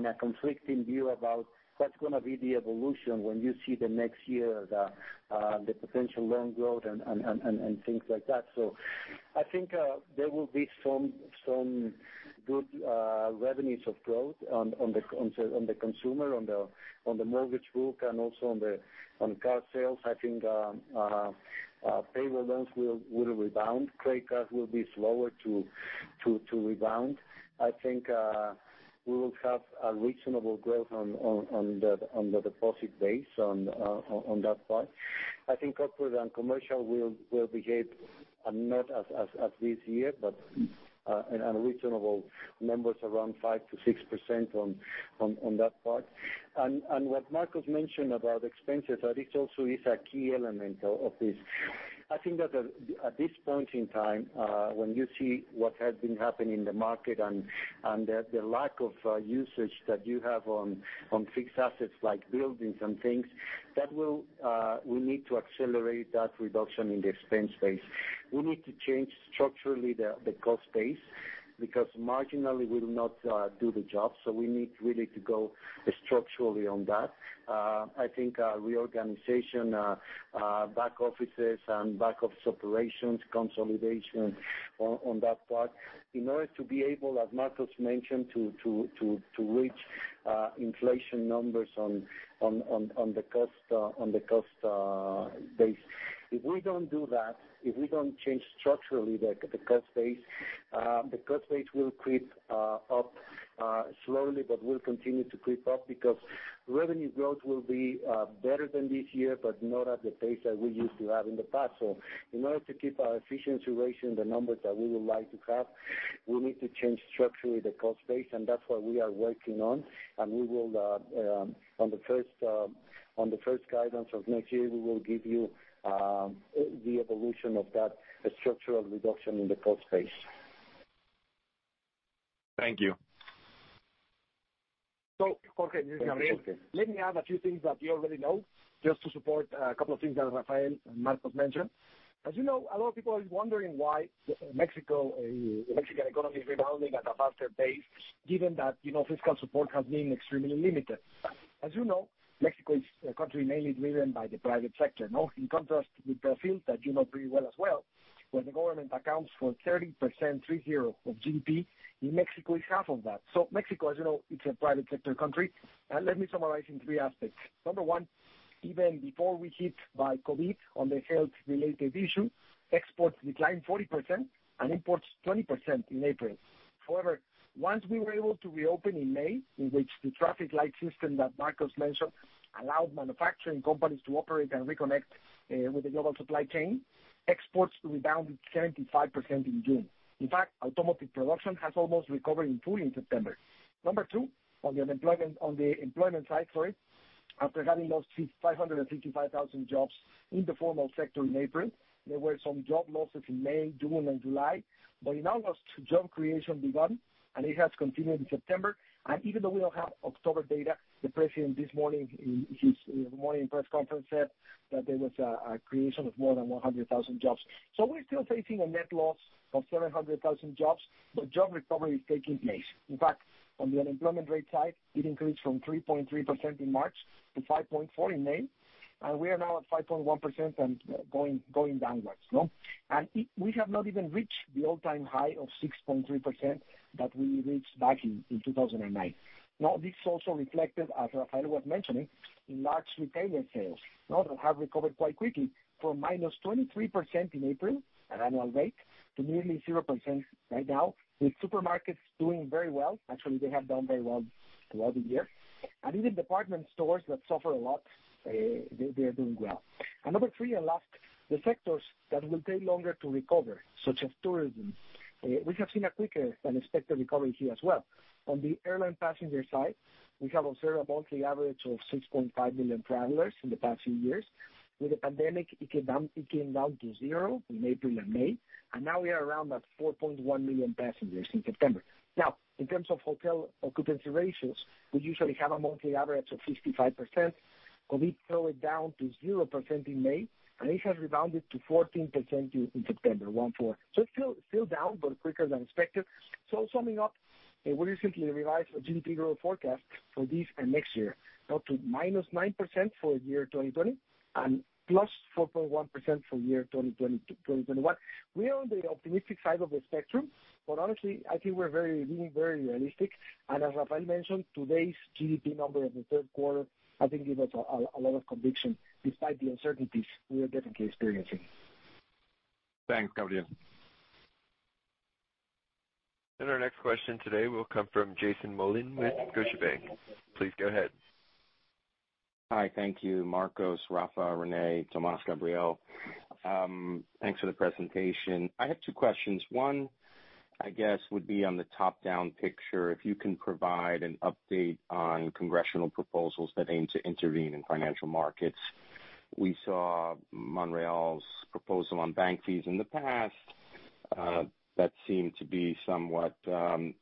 a conflicting view about what's going to be the evolution when you see the next year, the potential loan growth and things like that. I think there will be some good revenues of growth on the consumer, on the mortgage book, and also on car sales. I think payroll loans will rebound. Credit cards will be slower to rebound. I think we will have a reasonable growth on the deposit base on that part. I think corporate and commercial will behave not as this year, but in reasonable numbers, around 5%-6% on that part. What Marcos mentioned about expenses, that this also is a key element of this. I think that at this point in time, when you see what has been happening in the market and the lack of usage that you have on fixed assets like buildings and things, that we need to accelerate that reduction in the expense base. We need to change structurally the cost base, because marginally will not do the job. We need really to go structurally on that. I think reorganization, back offices and back office operations consolidation on that part, in order to be able, as Marcos mentioned, to reach inflation numbers on the cost base. If we don't do that, if we don't change structurally the cost base, the cost base will creep up slowly, but will continue to creep up because revenue growth will be better than this year, but not at the pace that we used to have in the past. In order to keep our efficiency ratio in the numbers that we would like to have, we need to change structurally the cost base, and that's what we are working on. On the first guidance of next year, we will give you the evolution of that structural reduction in the cost base. Thank you. Jorge, this is Gabriel. Let me add a few things that you already know, just to support a couple of things that Rafael and Marcos mentioned. As you know, a lot of people are wondering why the Mexican economy is rebounding at a faster pace, given that fiscal support has been extremely limited. As you know, Mexico is a country mainly driven by the private sector. Now, in contrast with Brazil, that you know pretty well as well, where the government accounts for 30%, three zero, of GDP, in Mexico is half of that. Mexico, as you know, it's a private sector country. Let me summarize in three aspects. Number one, even before we hit by COVID on the health-related issue, exports declined 40% and imports 20% in April. However, once we were able to reopen in May, in which the traffic light system that Marcos mentioned allowed manufacturing companies to operate and reconnect with the global supply chain, exports rebounded 75% in June. In fact, automotive production has almost recovered in full in September. Number two, on the employment side, sorry, after having lost 555,000 jobs in the formal sector in April, there were some job losses in May, June and July. In August, job creation begun, and it has continued in September. Even though we don't have October data, the president this morning in his morning press conference said that there was a creation of more than 100,000 jobs. We're still facing a net loss of 700,000 jobs, but job recovery is taking place. In fact, on the unemployment rate side, it increased from 3.3% in March to 5.4% in May, and we are now at 5.1% and going downwards. We have not even reached the all-time high of 6.3% that we reached back in 2009. Now, this also reflected, as Rafael was mentioning, in large retail sales. Now they have recovered quite quickly from -23% in April at annual rate to nearly 0% right now, with supermarkets doing very well. Actually, they have done very well throughout the year. Even department stores that suffer a lot, they are doing well. Number 3 and last, the sectors that will take longer to recover, such as tourism. We have seen a quicker than expected recovery here as well. On the airline passenger side, we have observed a monthly average of 6.5 million travelers in the past few years. With the pandemic, it came down to zero in April and May. Now we are around that 4.1 million passengers in September. In terms of hotel occupancy ratios, we usually have a monthly average of 65%. COVID threw it down to 0% in May. It has rebounded to 14% in September, one four. It's still down, but quicker than expected. Summing up, we recently revised our GDP growth forecast for this and next year. To -9% for year 2020 and +4.1% for year 2021. We are on the optimistic side of the spectrum, but honestly, I think we're being very realistic. As Rafael mentioned, today's GDP number in the third quarter, I think give us a lot of conviction despite the uncertainties we are definitely experiencing. Thanks, Gabriel. Our next question today will come from Jason Mollin with Deutsche Bank. Please go ahead. Hi. Thank you, Marcos, Rafa, René, Tomás, Gabriel. Thanks for the presentation. I have two questions. One, I guess, would be on the top-down picture, if you can provide an update on congressional proposals that aim to intervene in financial markets. We saw Monreal's proposal on bank fees in the past. That seemed to be somewhat, the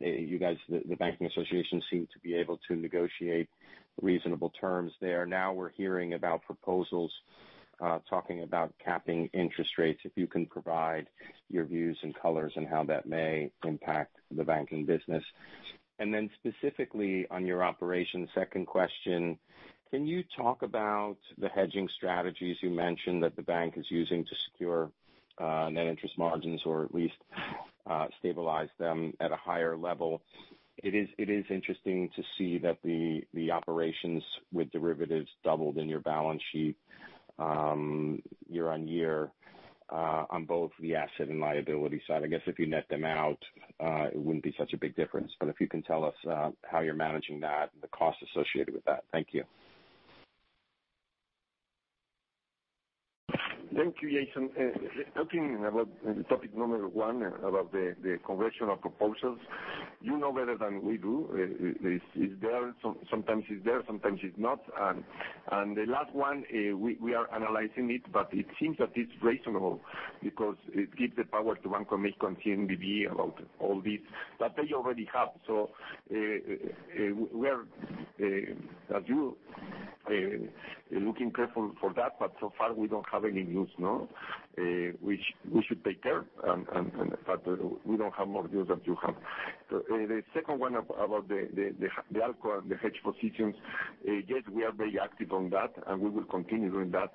banking association seemed to be able to negotiate reasonable terms there. Now we're hearing about proposals talking about capping interest rates, if you can provide your views and colors on how that may impact the banking business. Specifically on your operations, second question, can you talk about the hedging strategies you mentioned that the bank is using to secure net interest margins or at least stabilize them at a higher level? It is interesting to see that the operations with derivatives doubled in your balance sheet year on year, on both the asset and liability side. I guess if you net them out, it wouldn't be such a big difference. If you can tell us how you're managing that and the cost associated with that. Thank you. Thank you, Jason. Talking about topic number one, about the congressional proposals. You know better than we do, sometimes it's there, sometimes it's not. The last one, we are analyzing it, but it seems that it's reasonable because it gives the power to Banxico, CNBV, about all this that they already have. We are, as you, looking careful for that, but so far we don't have any news, no. We should take care, but we don't have more news than you have. The second one about the hedge positions. Yes, we are very active on that, and we will continue doing that.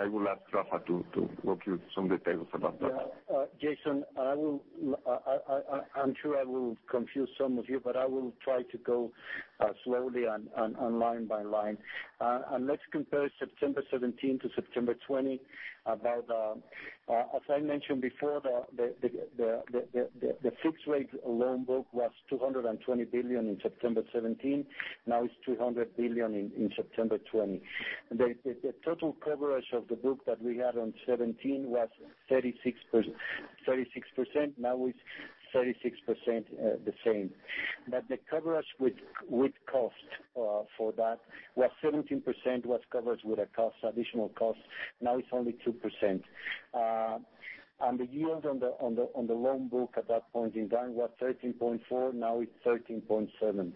I will ask Rafa to walk you some details about that. Yeah. Jason, I'm sure I will confuse some of you, I will try to go slowly and line by line. Let's compare September 2017 to September 2020. As I mentioned before, the fixed rate loan book was 220 billion in September 2017. Now it's 200 billion in September 2020. The total coverage of the book that we had on 2017 was 36%. Now it's 36%, the same. The coverage with cost for that, where 17% was covered with additional costs, now it's only 2%. The yield on the loan book at that point in time was 13.4%, now it's 13.7%.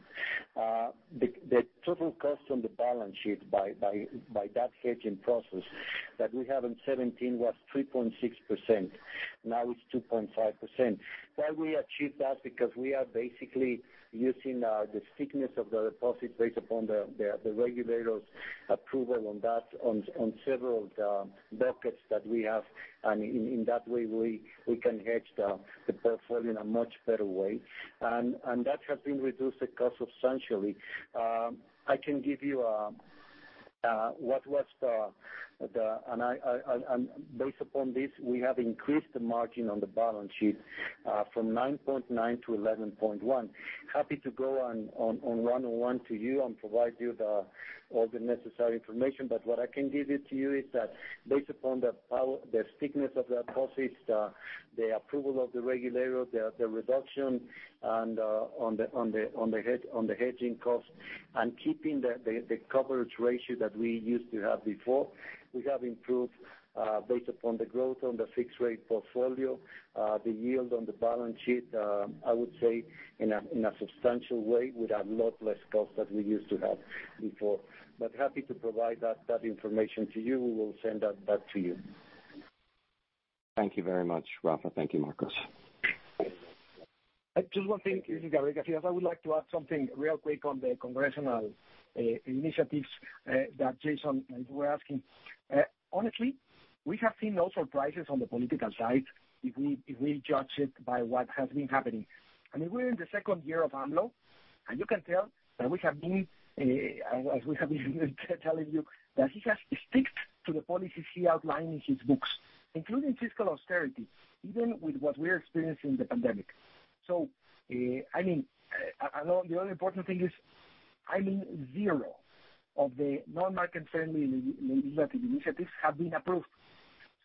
The total cost on the balance sheet by that hedging process that we had in 2017 was 3.6%. Now it's 2.5%. Why we achieved that, because we are basically using the thickness of the deposit based upon the regulator's approval on several buckets that we have, and in that way, we can hedge the portfolio in a much better way. That has been reduced the cost substantially. I can give you what was the, based upon this, we have increased the margin on the balance sheet from 9.9-11.1. Happy to go on one-on-one to you and provide you all the necessary information, but what I can give it to you is that based upon the thickness of the deposits, the approval of the regulator, the reduction on the hedging cost, and keeping the coverage ratio that we used to have before. We have improved based upon the growth on the fixed rate portfolio, the yield on the balance sheet, I would say in a substantial way with a lot less cost than we used to have before. Happy to provide that information to you. We will send that back to you. Thank you very much, Rafa. Thank you, Marcos. Just one thing, this is Gabriel Casillas. I would like to add something real quick on the congressional initiatives that Jason was asking. Honestly, we have seen no surprises on the political side if we judge it by what has been happening. I mean, we're in the second year of AMLO, and you can tell that we have been, as we have been telling you, that he has stuck to the policies he outlined in his books, including fiscal austerity, even with what we're experiencing in the pandemic. The only important thing is, zero of the non-market friendly legislative initiatives have been approved.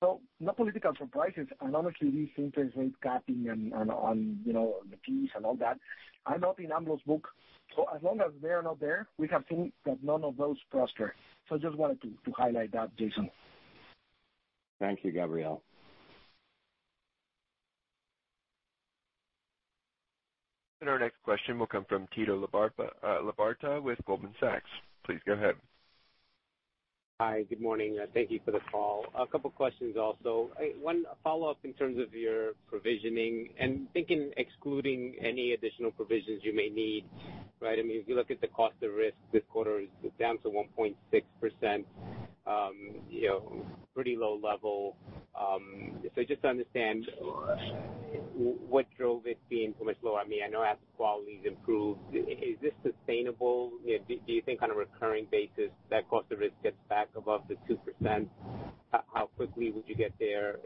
No political surprises. Honestly, these interest rate capping and on the fees and all that, are not in AMLO's book. As long as they are not there, we have seen that none of those prosper. I just wanted to highlight that, Jason. Thank you, Gabriel. Our next question will come from Tito Labarta with Goldman Sachs. Please go ahead. Hi. Good morning. Thank you for the call. A couple questions also. One follow-up in terms of your provisioning and thinking excluding any additional provisions you may need. If you look at the cost of risk this quarter, it's down to 1.6%, pretty low level. Just to understand what drove it being so much lower. I know asset quality's improved. Is this sustainable? Do you think on a recurring basis that cost of risk gets back above the 2%? How quickly would you get there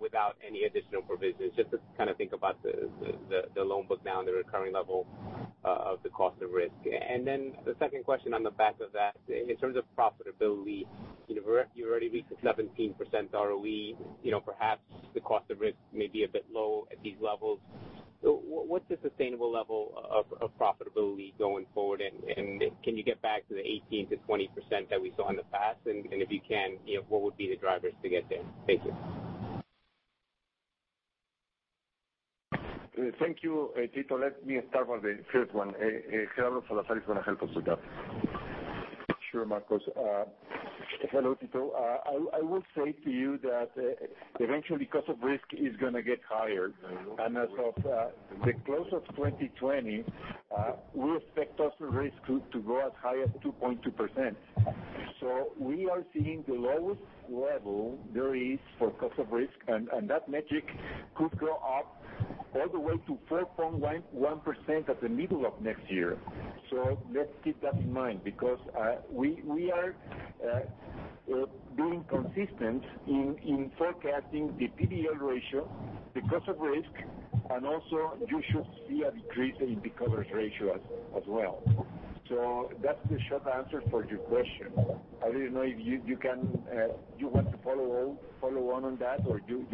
without any additional provisions, just to think about the loan book now and the recurring level of the cost of risk. The second question on the back of that, in terms of profitability, you already reached a 17% ROE. Perhaps the cost of risk may be a bit low at these levels. What's a sustainable level of profitability going forward, and can you get back to the 18%-20% that we saw in the past? If you can, what would be the drivers to get there? Thank you. Thank you, Tito. Let me start with the first one. Gerardo Salazar is going to help us with that. Sure, Marcos. Hello, Tito. I will say to you that eventually, cost of risk is going to get higher. As of the close of 2020, we expect cost of risk to go as high as 2.2%. We are seeing the lowest level there is for cost of risk, and that metric could go up all the way to 4.1% at the middle of next year. Let's keep that in mind, because we are being consistent in forecasting the PDL ratio, the cost of risk, and also you should see a decrease in the coverage ratio as well. That's the short answer for your question. I didn't know if you want to follow on that, or you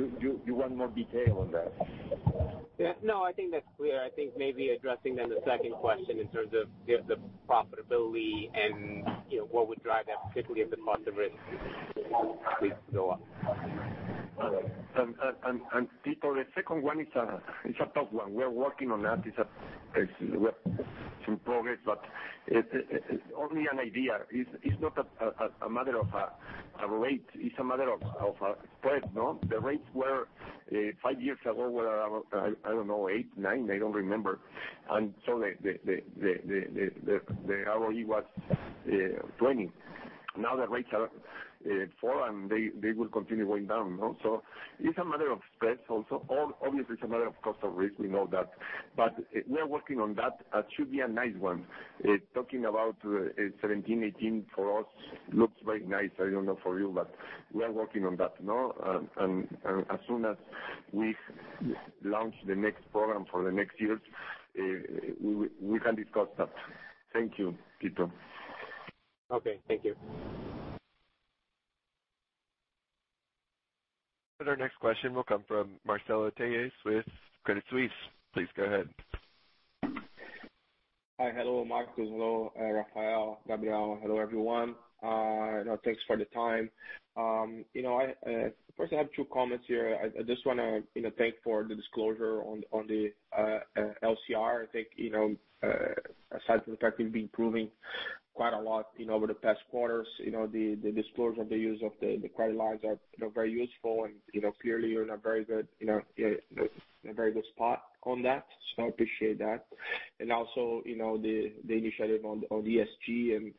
want more detail on that? No, I think that's clear. I think maybe addressing then the second question in terms of the profitability and what would drive that, particularly if the cost of risk go up. Tito, the second one, it's a tough one. We are working on that. Some progress, only an idea. It's not a matter of a rate, it's a matter of spread. The rates five years ago were, I don't know, eight, nine, I don't remember. The ROE was 20. Now the rates have fallen, they will continue going down. It's a matter of spreads also. Obviously, it's a matter of cost of risk, we know that. We are working on that. It should be a nice one. Talking about 17, 18 for us looks very nice. I don't know for you, but we are working on that. As soon as we launch the next program for the next years, we can discuss that. Thank you, Tito. Okay. Thank you. Our next question will come from Marcelo Telles with Credit Suisse. Please go ahead. Hi. Hello, Marcos. Hello, Rafael, Gabriel. Hello, everyone. Thanks for the time. First, I have two comments here. I just want to thank for the disclosure on the LCR. I think asset protective improving quite a lot over the past quarters. The disclosure of the use of the credit lines are very useful and clearly you're in a very good spot on that. I appreciate that. Also, the initiative on ESG and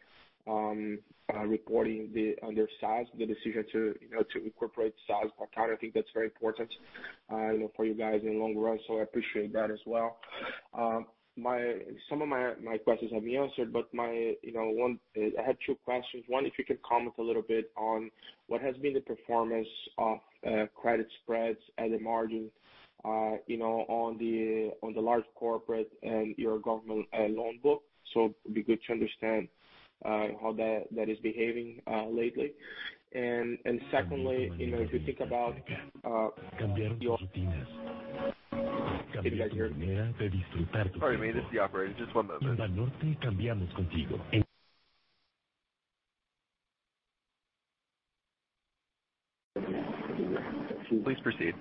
reporting on their SASB, the decision to incorporate SASB by target, I think that's very important for you guys in the long run, so I appreciate that as well. Some of my questions have been answered, but I had two questions. One, if you could comment a little bit on what has been the performance of credit spreads and the margin on the large corporate and your government loan book. It'd be good to understand how that is behaving lately. Sorry, this is the operator. Just one moment. Please proceed.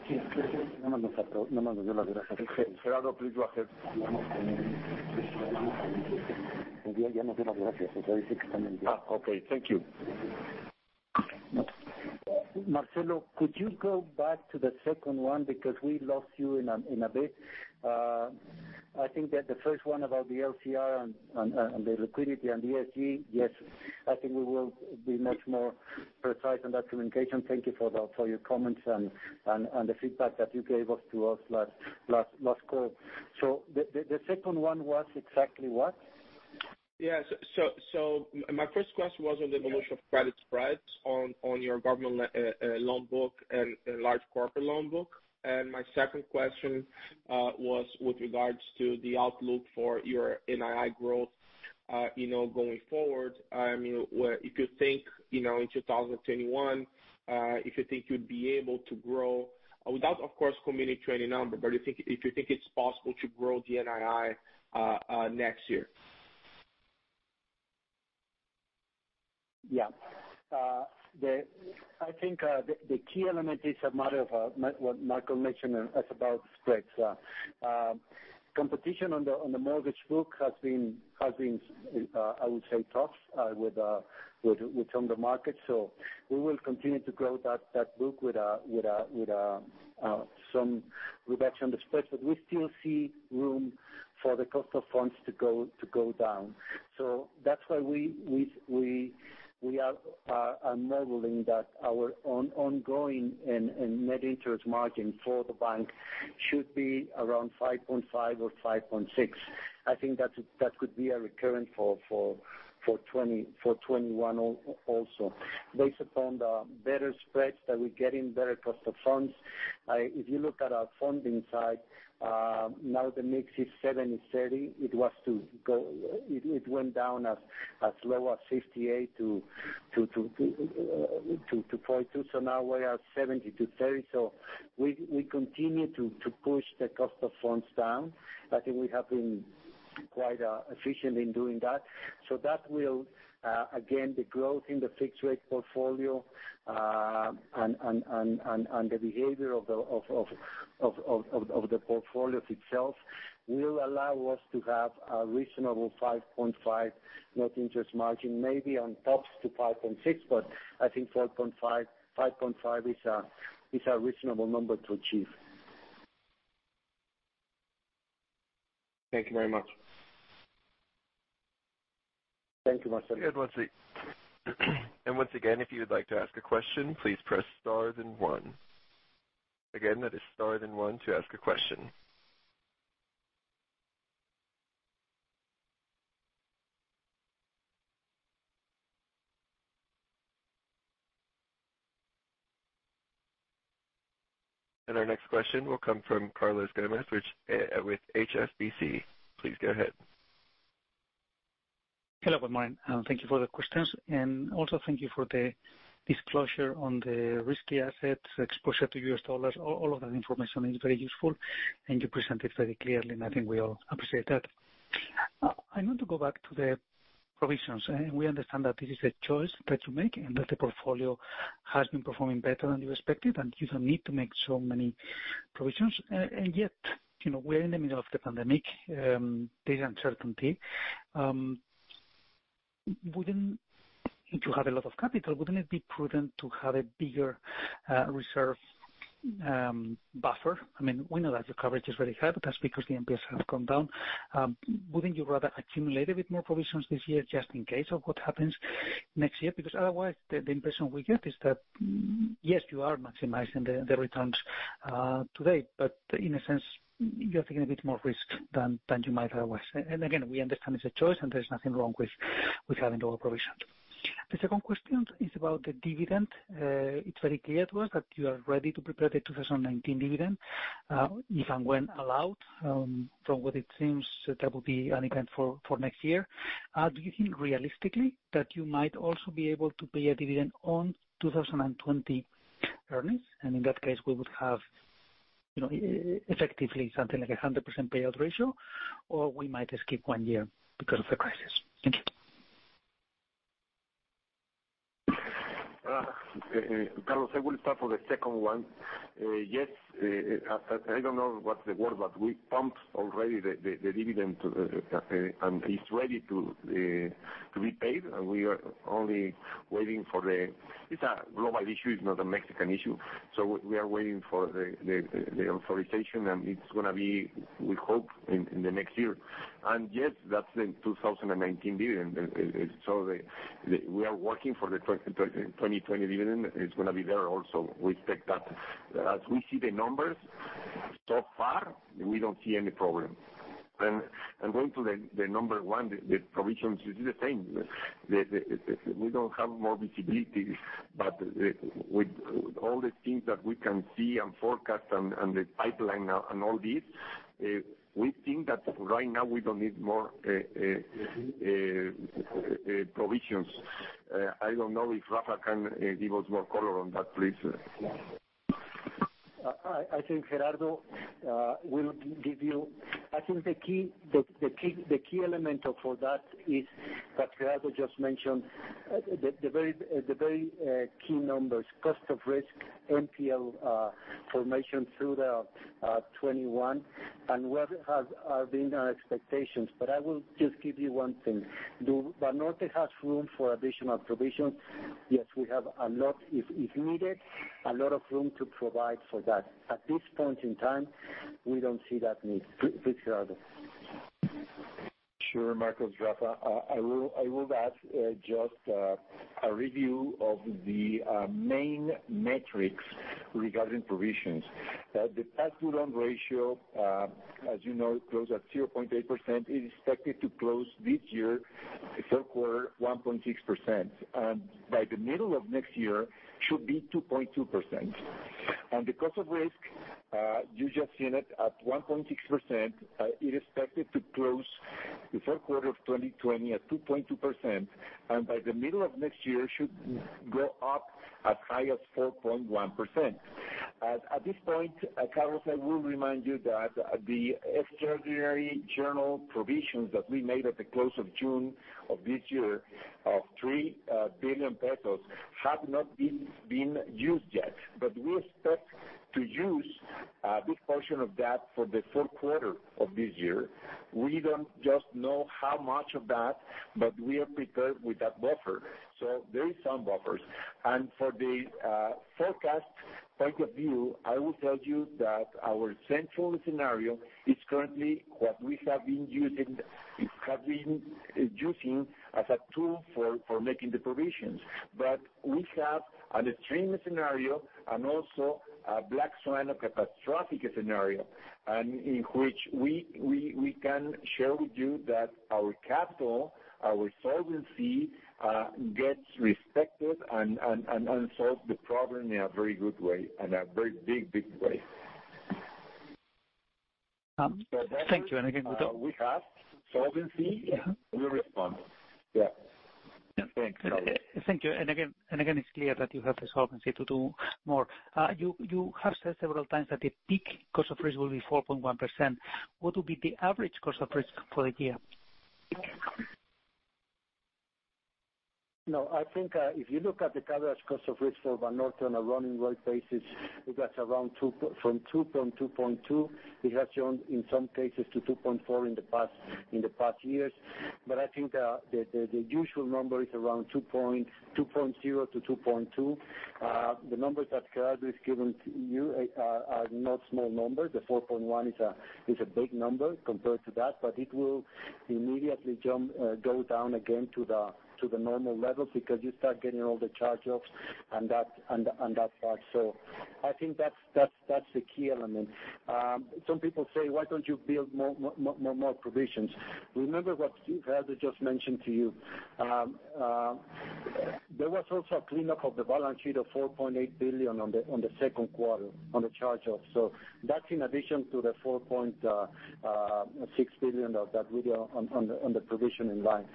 Gerardo, please go ahead. Okay. Thank you. Marcelo, could you go back to the second one because we lost you in a bit. I think that the first one about the LCR and the liquidity and ESG, yes, I think we will be much more precise on that communication. Thank you for your comments and the feedback that you gave to us last call. The second one was exactly what? Yeah. My first question was on the evolution of credit spreads on your government loan book and large corporate loan book. My second question was with regards to the outlook for your NII growth going forward. If you think in 2021, if you think you'd be able to grow without, of course, communicating any number, but if you think it's possible to grow the NII next year? I think the key element is a matter of wh`at Marcos Ramírez mentioned, that's about spreads. Competition on the mortgage book has been, I would say, tough with some of the markets. We will continue to grow that book with some reduction on the spreads. We still see room for the cost of funds to go down. That's why we are modeling that our ongoing and net interest margin for the bank Should be around 5.5% or 5.6%. I think that could be a recurrent for 2021 also. Based upon the better spreads that we're getting, better cost of funds. If you look at our funding side, now the mix is 70/30. It went down as low as 58-42. Now we are 70-30. We continue to push the cost of funds down. I think we have been quite efficient in doing that. That will, again, the growth in the fixed rate portfolio, and the behavior of the portfolios itself will allow us to have a reasonable 5.5% net interest margin, maybe on tops to 5.6%. I think 5.5% is a reasonable number to achieve. Thank you very much. Thank you, Marcelo. Once again if you would like to ask a question please press star then one. Again it is star then one to ask a question. Our next question will come from Carlos Gomez with HSBC. Please go ahead. Hello, good morning, and thank you for the questions. Also thank you for the disclosure on the risky assets exposure to US dollars. All of that information is very useful, and you present it very clearly, and I think we all appreciate that. I want to go back to the provisions. We understand that this is a choice that you make and that the portfolio has been performing better than you expected, and you don't need to make so many provisions. Yet, we're in the middle of the pandemic. There's uncertainty. If you have a lot of capital, wouldn't it be prudent to have a bigger reserve buffer? We know that your coverage is very high, but that's because the NPS has come down. Wouldn't you rather accumulate a bit more provisions this year just in case of what happens next year? Otherwise, the impression we get is that, yes, you are maximizing the returns today, but in a sense, you're taking a bit more risk than you might otherwise. Again, we understand it's a choice, and there's nothing wrong with having over-provisioned. The second question is about the dividend. It's very clear to us that you are ready to prepare the 2019 dividend, if and when allowed. From what it seems, that will be an event for next year. Do you think realistically that you might also be able to pay a dividend on 2020 earnings? In that case, we would have effectively something like 100% payout ratio, or we might skip one year because of the crisis. Thank you. Carlos, I will start for the second one. I don't know what the word, we pumped already the dividend and it's ready to be paid. We are only waiting. It's a global issue, it's not a Mexican issue. We are waiting for the authorization, it's going to be, we hope, in the next year. That's the 2019 dividend. We are working for the 2020 dividend. It's going to be there also. We expect that. As we see the numbers so far, we don't see any problem. Going to the number 1, the provisions, it is the same. We don't have more visibility, with all the things that we can see and forecast and the pipeline and all this, we think that right now we don't need more provisions. I don't know if Rafa can give us more color on that, please. Yeah. I think the key element for that is that Gerardo just mentioned the very key numbers, cost of risk, NPL formation through the 2021, and what have been our expectations. I will just give you one thing. Do Banorte has room for additional provisions? Yes, we have a lot, if needed, a lot of room to provide for that. At this point in time, we don't see that need. Please, Gerardo. Sure, Marcos, Rafa. I will add just a review of the main metrics regarding provisions. The past due loan ratio, as you know, closed at 0.8%, is expected to close this year, the third quarter, 1.6%. By the middle of next year, should be 2.2%. The cost of risk, you just seen it at 1.6%. It is expected to close the third quarter of 2020 at 2.2%, and by the middle of next year, should go up as high as 4.1%. At this point, Carlos, I will remind you that the extraordinary journal provisions that we made at the close of June of this year of 3 billion pesos have not been used yet. We expect to use a big portion of that for the fourth quarter of this year. We don't just know how much of that We are prepared with that buffer. There is some buffers. For the forecast point of view, I will tell you that our central scenario is currently what we have been using as a tool for making the provisions. We have an extreme scenario and also a black swan, a catastrophic scenario, and in which we can share with you that our capital, our solvency gets respected and solves the problem in a very good way, in a very big way. Thank you. We have solvency. We respond. Yeah. Thanks, Carlos. Thank you. Again, it's clear that you have the solvency to do more. You have said several times that the peak cost of risk will be 4.1%. What will be the average cost of risk for the year? I think if you look at the coverage cost of risk for Banorte on a running rate basis, it is around from 2.2%. It has shown in some cases to 2.4% in the past years. I think the usual number is around 2.0%-2.2%. The numbers that Gerardo has given to you are not small numbers. The 4.1% is a big number compared to that, but it will immediately go down again to the normal levels because you start getting all the charge-offs and that part. I think that's the key element. Some people say, "Why don't you build more provisions?" Remember what Gerardo just mentioned to you. There was also a cleanup of the balance sheet of 4.8 billion on the second quarter on the charge-off. That's in addition to the 4.6 billion of that period on the provision in line.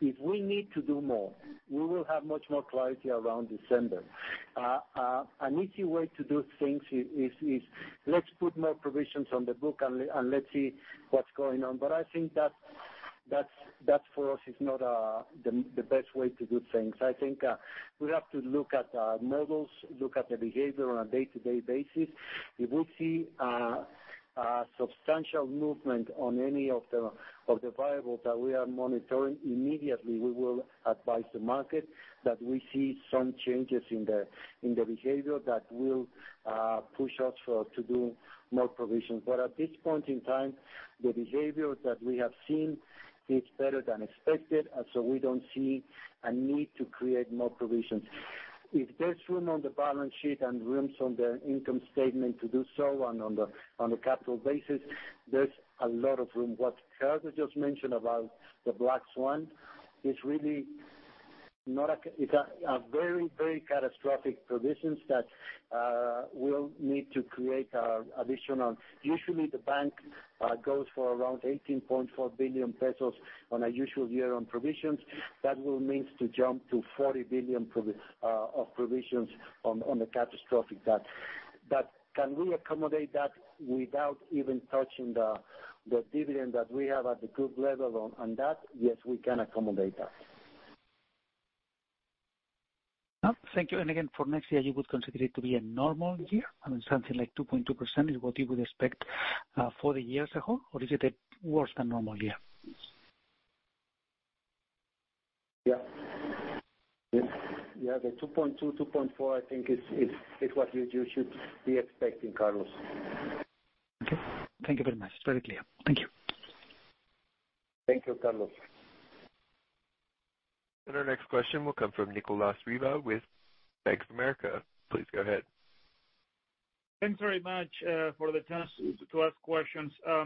If we need to do more, we will have much more clarity around December. An easy way to do things is let's put more provisions on the book and let's see what's going on. I think that for us is not the best way to do things. I think we have to look at our models, look at the behavior on a day-to-day basis. If we see a substantial movement on any of the variables that we are monitoring, immediately we will advise the market that we see some changes in the behavior that will push us to do more provisions. At this point in time, the behavior that we have seen is better than expected, and so we don't see a need to create more provisions. If there's room on the balance sheet and room on the income statement to do so on a capital basis, there's a lot of room. What Gerardo just mentioned about the black swan is really a very catastrophic provisions that we'll need to create additional. Usually, the bank goes for around 18.4 billion pesos on a usual year on provisions. That will mean to jump to 40 billion of provisions on the catastrophic debt. Can we accommodate that without even touching the dividend that we have at the group level on that? Yes, we can accommodate that. Thank you. Again, for next year, you would consider it to be a normal year? I mean, something like 2.2% is what you would expect for the years ago? Or is it a worse than normal year? Yeah. The 2.2.4 I think is what you should be expecting, Carlos. Okay. Thank you very much. Very clear. Thank you. Thank you, Carlos. Our next question will come from Nicolas Riva with Bank of America. Please go ahead. Thanks very much for the chance to ask questions. I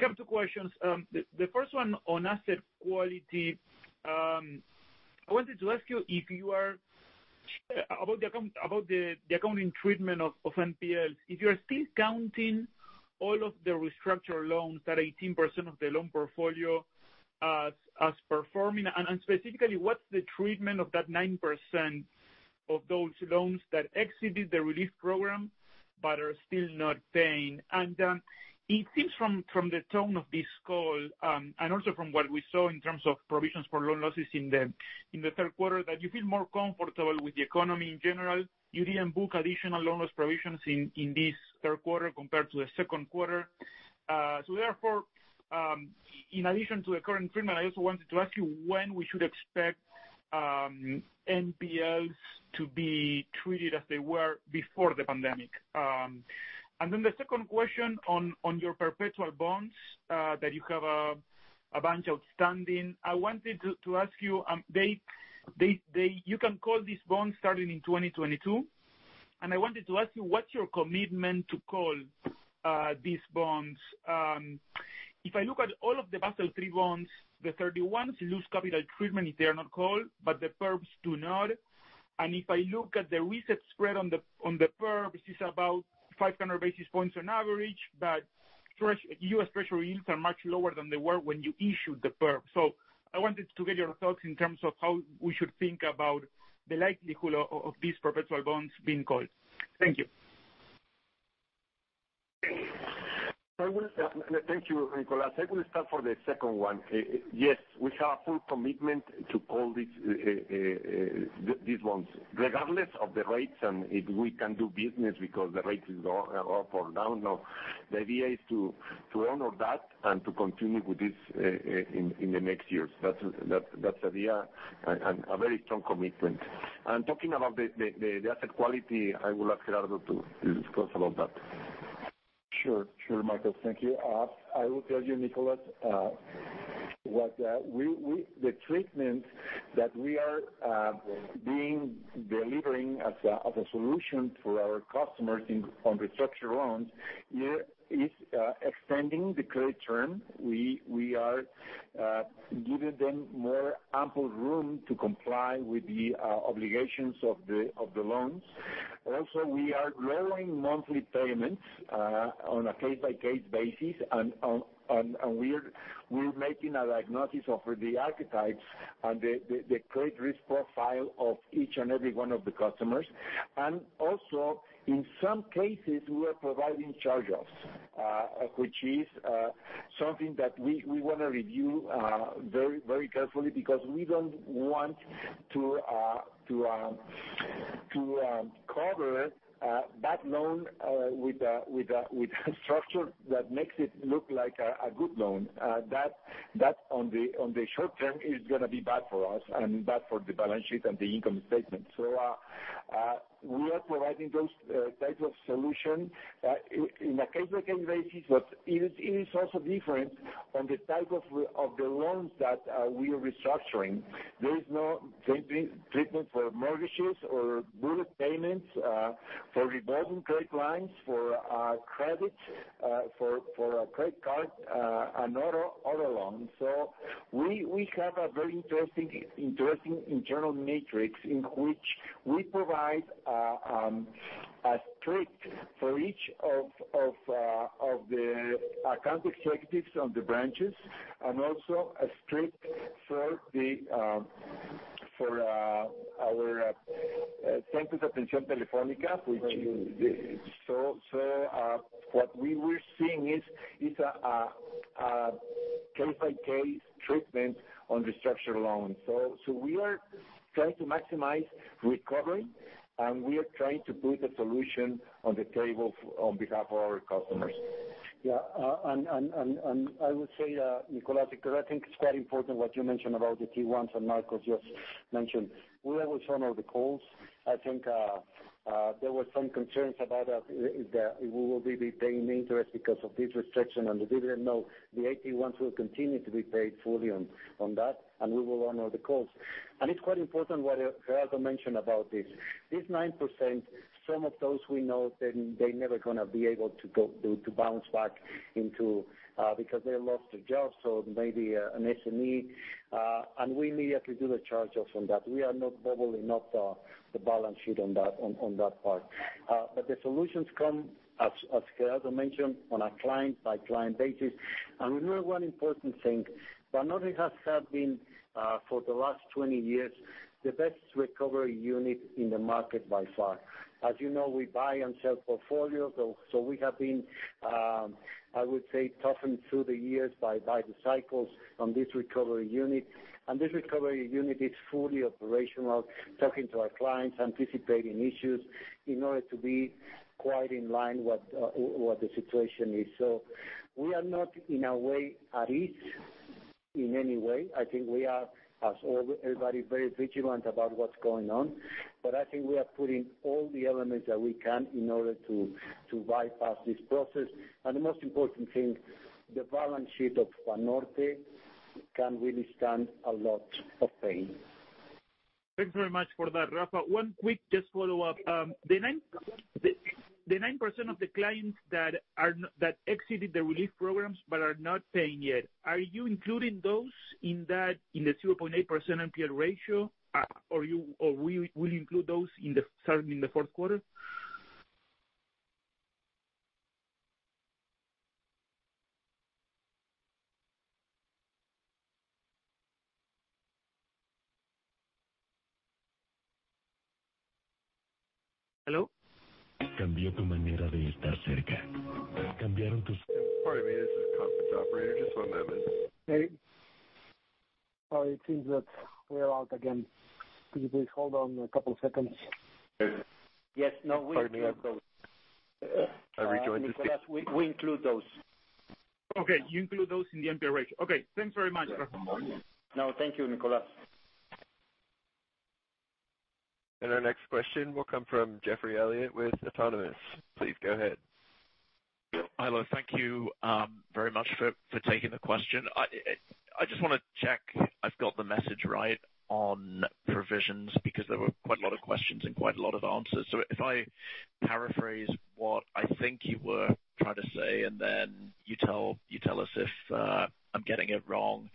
have two questions. The first one on asset quality. I wanted to ask you about the accounting treatment of NPLs. If you are still counting all of the restructured loans, that 18% of the loan portfolio as performing, and specifically, what's the treatment of that 9% of those loans that exited the relief program but are still not paying? It seems from the tone of this call, and also from what we saw in terms of provisions for loan losses in the third quarter, that you feel more comfortable with the economy in general. You didn't book additional loan loss provisions in this third quarter compared to the second quarter. Therefore, in addition to the current treatment, I also wanted to ask you when we should expect NPLs to be treated as they were before the pandemic. The second question on your perpetual bonds, that you have a bunch outstanding. I wanted to ask you can call these bonds starting in 2022. I wanted to ask you, what's your commitment to call these bonds? If I look at all of the Basel III bonds, the 31s lose capital treatment if they are not called, but the perps do not. If I look at the reset spread on the perp, which is about 500 basis points on average, but U.S. Treasury yields are much lower than they were when you issued the perp. I wanted to get your thoughts in terms of how we should think about the likelihood of these perpetual bonds being called. Thank you. Thank you, Nicolas. I will start for the second one. Yes, we have full commitment to all these ones, regardless of the rates and if we can do business because the rate is up or down. No, the idea is to honor that and to continue with this in the next years. That's the idea and a very strong commitment. Talking about the asset quality, I will ask Gerardo to discuss about that. Sure, Marcos. Thank you. I will tell you, Nicolas, the treatment that we are delivering as a solution to our customers on restructured loans is extending the credit term. We are giving them more ample room to comply with the obligations of the loans. We are lowering monthly payments on a case-by-case basis, and we're making a diagnosis of the archetypes and the credit risk profile of each and every one of the customers. Also in some cases, we are providing charge-offs, which is something that we want to review very carefully because we don't want to cover a bad loan with a structure that makes it look like a good loan. That, on the short term, is going to be bad for us and bad for the balance sheet and the income statement. We are providing those types of solution in a case-by-case basis. It is also different on the type of the loans that we are restructuring. There is no treatment for mortgages or bullet payments, for revolving credit lines, for credit, for credit card and other loans. We have a very interesting internal matrix in which we provide a script for each of the account executives on the branches and also a script for our centros de atención telefónica. What we were seeing is a case-by-case treatment on restructured loans. We are trying to maximize recovery, and we are trying to put a solution on the table on behalf of our customers. Yeah. I would say, Nicolas, because I think it's quite important what you mentioned about the T1s and Marcos just mentioned. We will honor the calls. I think there were some concerns about us, that we will be paying interest because of this restriction and the dividend. No, the AT1s will continue to be paid fully on that, and we will honor the calls. It's quite important what Gerardo mentioned about this. This 9%, some of those we know they're never going to be able to bounce back because they lost their jobs, so maybe an SME, and we immediately do the charge-off on that. We are bubbling up the balance sheet on that part. The solutions come, as Gerardo mentioned, on a client-by-client basis. Remember one important thing, Banorte has been, for the last 20 years, the best recovery unit in the market by far. As you know, we buy and sell portfolios. We have been, I would say, toughened through the years by the cycles on this recovery unit. This recovery unit is fully operational, talking to our clients, anticipating issues in order to be quite in line what the situation is. We are not, in a way, at ease in any way. I think we are, as all everybody, very vigilant about what's going on. I think we are putting all the elements that we can in order to bypass this process. The most important thing, the balance sheet of Banorte can really stand a lot of pain. Thanks very much for that, Rafa. One quick just follow-up. The 9% of the clients that exited the relief programs but are not paying yet, are you including those in the 2.8% NPL ratio? Will you include those in the fourth quarter? Hello? Pardon me, this is the conference operator. Just one moment. Sorry, it seems that we are out again. Could you please hold on a couple seconds? Yes, no, we include those. I rejoined this meeting. Nicolas, we include those. Okay, you include those in the NPL ratio. Okay, thanks very much, Rafa. No, thank you, Nicolas. Our next question will come from Geoffrey Elliott with Autonomous. Please go ahead. Hi. Thank you very much for taking the question. I just want to check I've got the message right on provisions, because there were quite a lot of questions and quite a lot of answers. If I paraphrase what I think you were trying to say, and then you tell us if I'm getting it wrong.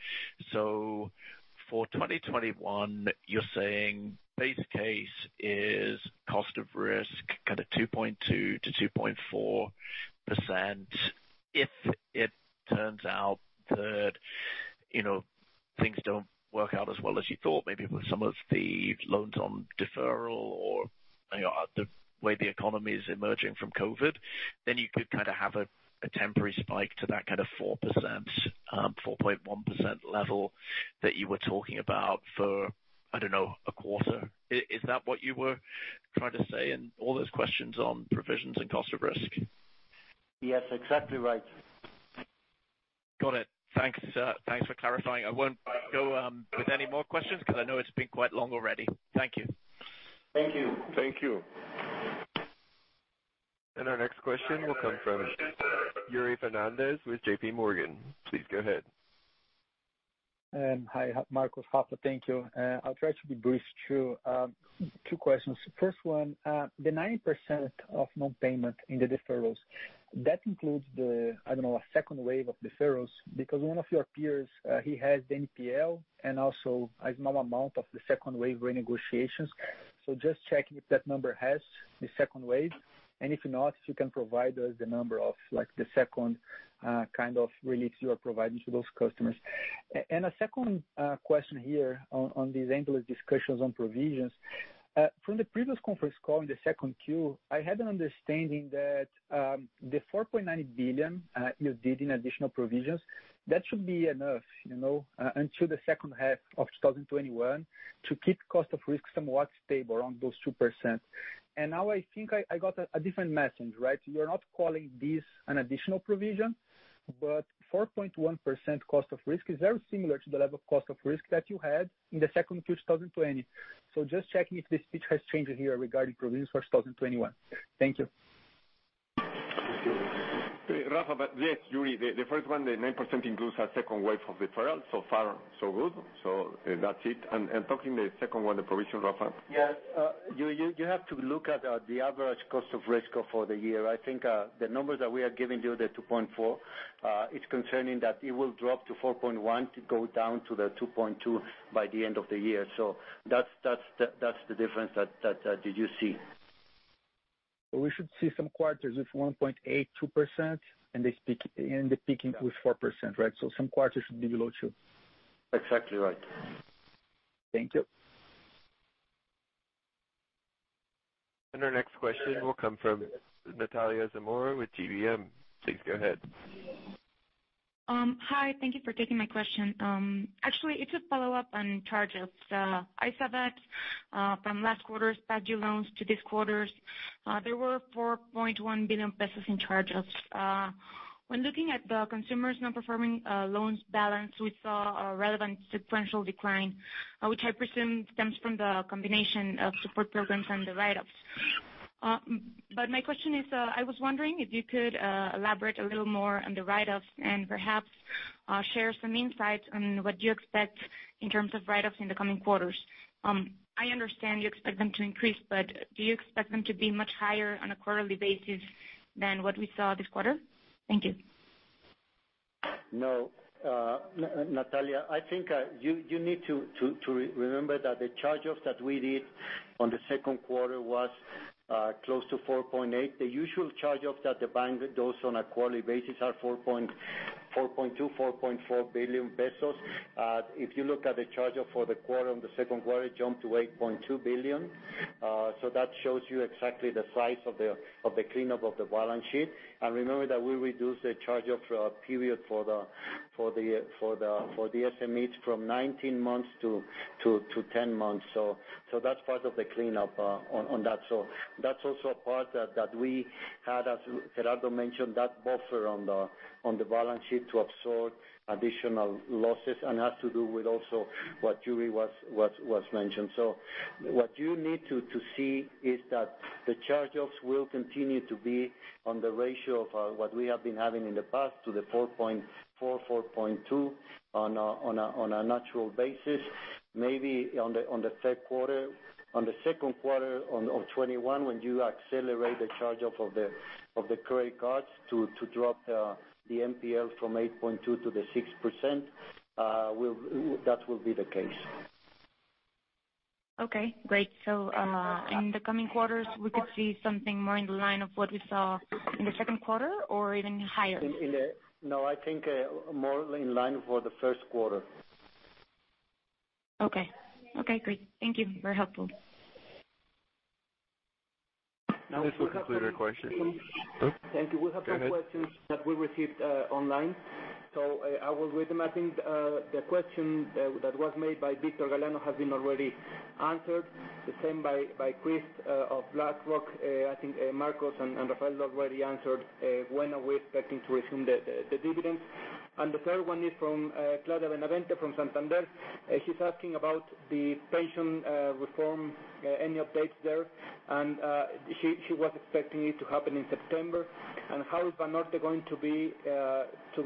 For 2021, you're saying base case is cost of risk kind of 2.2%-2.4% if it turns out that. Things don't work out as well as you thought, maybe with some of the loans on deferral or the way the economy is emerging from COVID, then you could have a temporary spike to that 4%, 4.1% level that you were talking about for, I don't know, a quarter. Is that what you were trying to say in all those questions on provisions and cost of risk? Yes, exactly right. Got it. Thanks for clarifying. I won't go with any more questions because I know it's been quite long already. Thank you. Thank you. Thank you. Our next question will come from Yuri Fernandes with JPMorgan. Please go ahead. Hi, Marcos, Rafa, thank you. I'll try to be brief, too. Two questions. First one, the 90% of non-payment in the deferrals, that includes the, I don't know, a second wave of deferrals, because one of your peers, he has the NPL and also a small amount of the second wave renegotiations? Just checking if that number has the second wave, and if not, if you can provide us the number of the second kind of relief you are providing to those customers. A second question here on these endless discussions on provisions. From the previous conference call in the second Q, I had an understanding that the 4.9 billion you did in additional provisions, that should be enough until the second half of 2021 to keep cost of risk somewhat stable around those 2%. Now I think I got a different message. You are not calling this an additional provision. 4.1% cost of risk is very similar to the level of cost of risk that you had in the second Q 2020. Just checking if the speech has changed here regarding provisions for 2021. Thank you. Yes, Yuri, the first one, the 9% includes a second wave of deferral. So far, so good. That's it. Talking the second one, the provision, Rafa. Yes. You have to look at the average cost of risk for the year. I think the numbers that we are giving you, the 2.4%, it's concerning that it will drop to 4.1% to go down to the 2.2% by the end of the year. That's the difference that you see. We should see some quarters with 1.82%, and the peaking with 4%, right? Some quarters should be below two. Exactly right. Thank you. Our next question will come from Natalia Zamora with GBM. Please go ahead. Hi. Thank you for taking my question. Actually, it's a follow-up on charge-offs. I saw that from last quarter's past due loans to this quarter's, there were 4.1 billion pesos in charge-offs. When looking at the consumer's non-performing loans balance, we saw a relevant sequential decline, which I presume stems from the combination of support programs and the write-offs. My question is, I was wondering if you could elaborate a little more on the write-offs and perhaps share some insights on what you expect in terms of write-offs in the coming quarters. I understand you expect them to increase, but do you expect them to be much higher on a quarterly basis than what we saw this quarter? Thank you. No. Natalia, I think you need to remember that the charge-offs that we did on the second quarter was close to 4.8 billion. The usual charge-offs that the bank does on a quarterly basis are 4.2 billion pesos, 4.4 billion pesos. If you look at the charge-off for the quarter, on the second quarter, it jumped to 8.2 billion. That shows you exactly the size of the cleanup of the balance sheet. Remember that we reduced the charge-off period for the SME from 19 months-10 months. That's part of the cleanup on that. That's also a part that we had, as Gerardo mentioned, that buffer on the balance sheet to absorb additional losses, and has to do with also what Yuri was mentioning. What you need to see is that the charge-offs will continue to be on the ratio of what we have been having in the past to the 4.4.2 on a natural basis. Maybe on the second quarter of 2021, when you accelerate the charge-off of the credit cards to drop the NPL from 8.2 to the 6%, that will be the case. Okay, great. In the coming quarters, we could see something more in the line of what we saw in the second quarter or even higher? No, I think more in line for the first quarter. Okay. Okay, great. Thank you. Very helpful. This will conclude our questions. Oops. Thank you. Go ahead. questions that we received online. I will read them. I think the question that was made by Victor Galliano has been already answered, the same by Chris of BlackRock. I think Marcos and Rafael already answered when are we expecting to resume the dividends. The third one is from Claudia Benavente from Santander. She's asking about the pension reform, any updates there, and she was expecting it to happen in September. How is Banorte going to be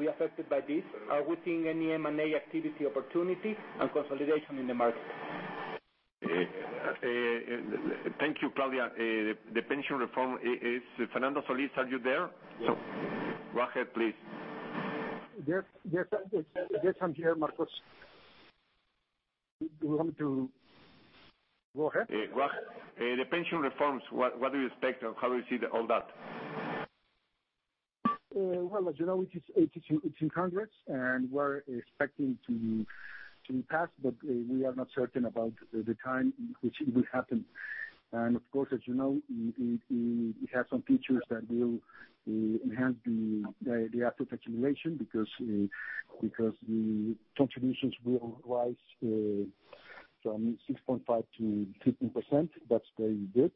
affected by this? Are we seeing any M&A activity opportunity and consolidation in the market? Thank you, Claudia. The pension reform is, Fernando Solís, are you there? Yes. Go ahead, please. Yes, I'm here, Marcos. Do you want me to go ahead? The pension reforms, what do you expect and how do you see all that? Well, as you know, it's in Congress and we're expecting it to be passed, we are not certain about the time in which it will happen. Of course, as you know, it has some features that will enhance the output accumulation because the contributions will rise from 6.5% to 15%. That's very good.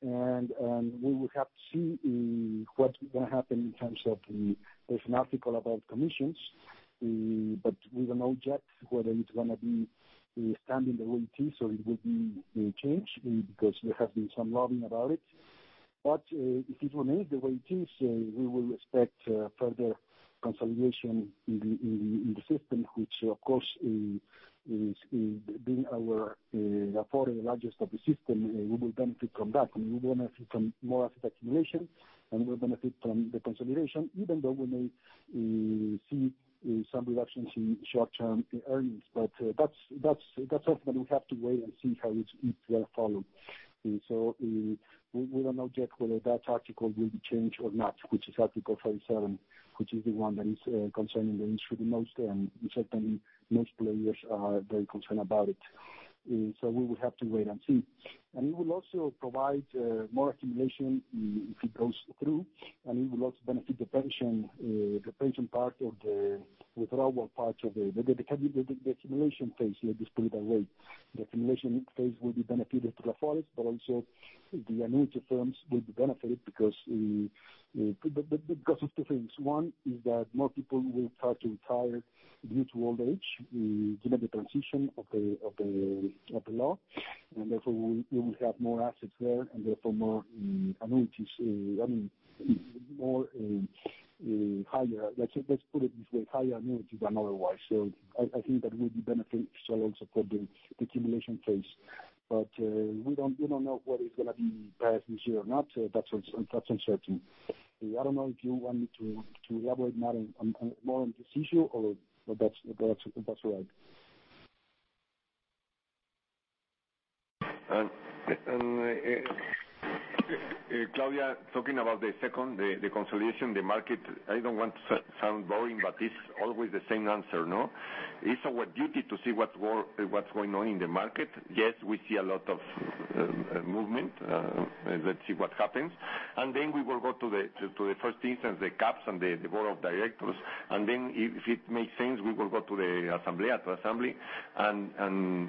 We will have to see what will happen in terms of There is an article about commissions. We don't know yet whether it's going to be standing the way it is or it will be changed, because there has been some lobbying about it. If it remains the way it is, we will expect further consolidation in the system, which of course, being Afore, the largest of the system, we will benefit from that. We will benefit from more asset accumulation, and we'll benefit from the consolidation, even though we may see some reductions in short-term earnings. That's something we have to wait and see how it will follow. We don't know yet whether that article will be changed or not, which is Article 37, which is the one that is concerning the industry the most, and certainly most players are very concerned about it. We will have to wait and see. It will also provide more accumulation if it goes through, and it will also benefit the pension part of the withdrawal part of the accumulation phase. Let's put it that way. The accumulation phase will be benefited to Afores, but also the annuity firms will be benefited because of two things. One is that more people will start to retire due to old age, given the transition of the law. Therefore, we will have more assets there and therefore more annuities. Let's put it this way: higher annuities than otherwise. I think that will be beneficial also for the accumulation phase. We don't know whether it's going to be passed this year or not. That's uncertain. I don't know if you want me to elaborate more on this issue or that's all right. Claudia, talking about the second, the consolidation, the market. I don't want to sound boring, but it's always the same answer, no? It's our duty to see what's going on in the market. Yes, we see a lot of movement. Let's see what happens. Then we will go to the first instance, the caps and the board of directors. Then if it makes sense, we will go to the assembly.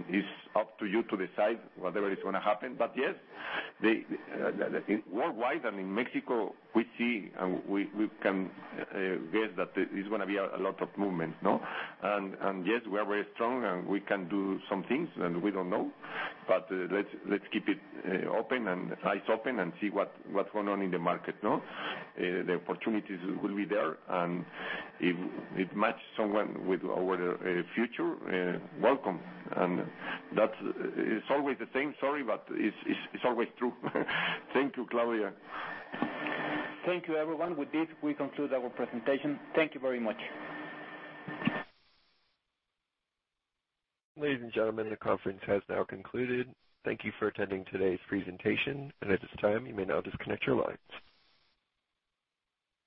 It's up to you to decide whatever is going to happen. Yes, worldwide and in Mexico, we see and we can guess that there's going to be a lot of movement, no? Yes, we are very strong and we can do some things, and we don't know. Let's keep eyes open and see what's going on in the market, no? The opportunities will be there, and if it matches someone with our future, welcome. That is always the same story, but it's always true. Thank you, Claudia. Thank you, everyone. With this, we conclude our presentation. Thank you very much. Ladies and gentlemen, the conference has now concluded. Thank you for attending today's presentation. At this time, you may now disconnect your lines.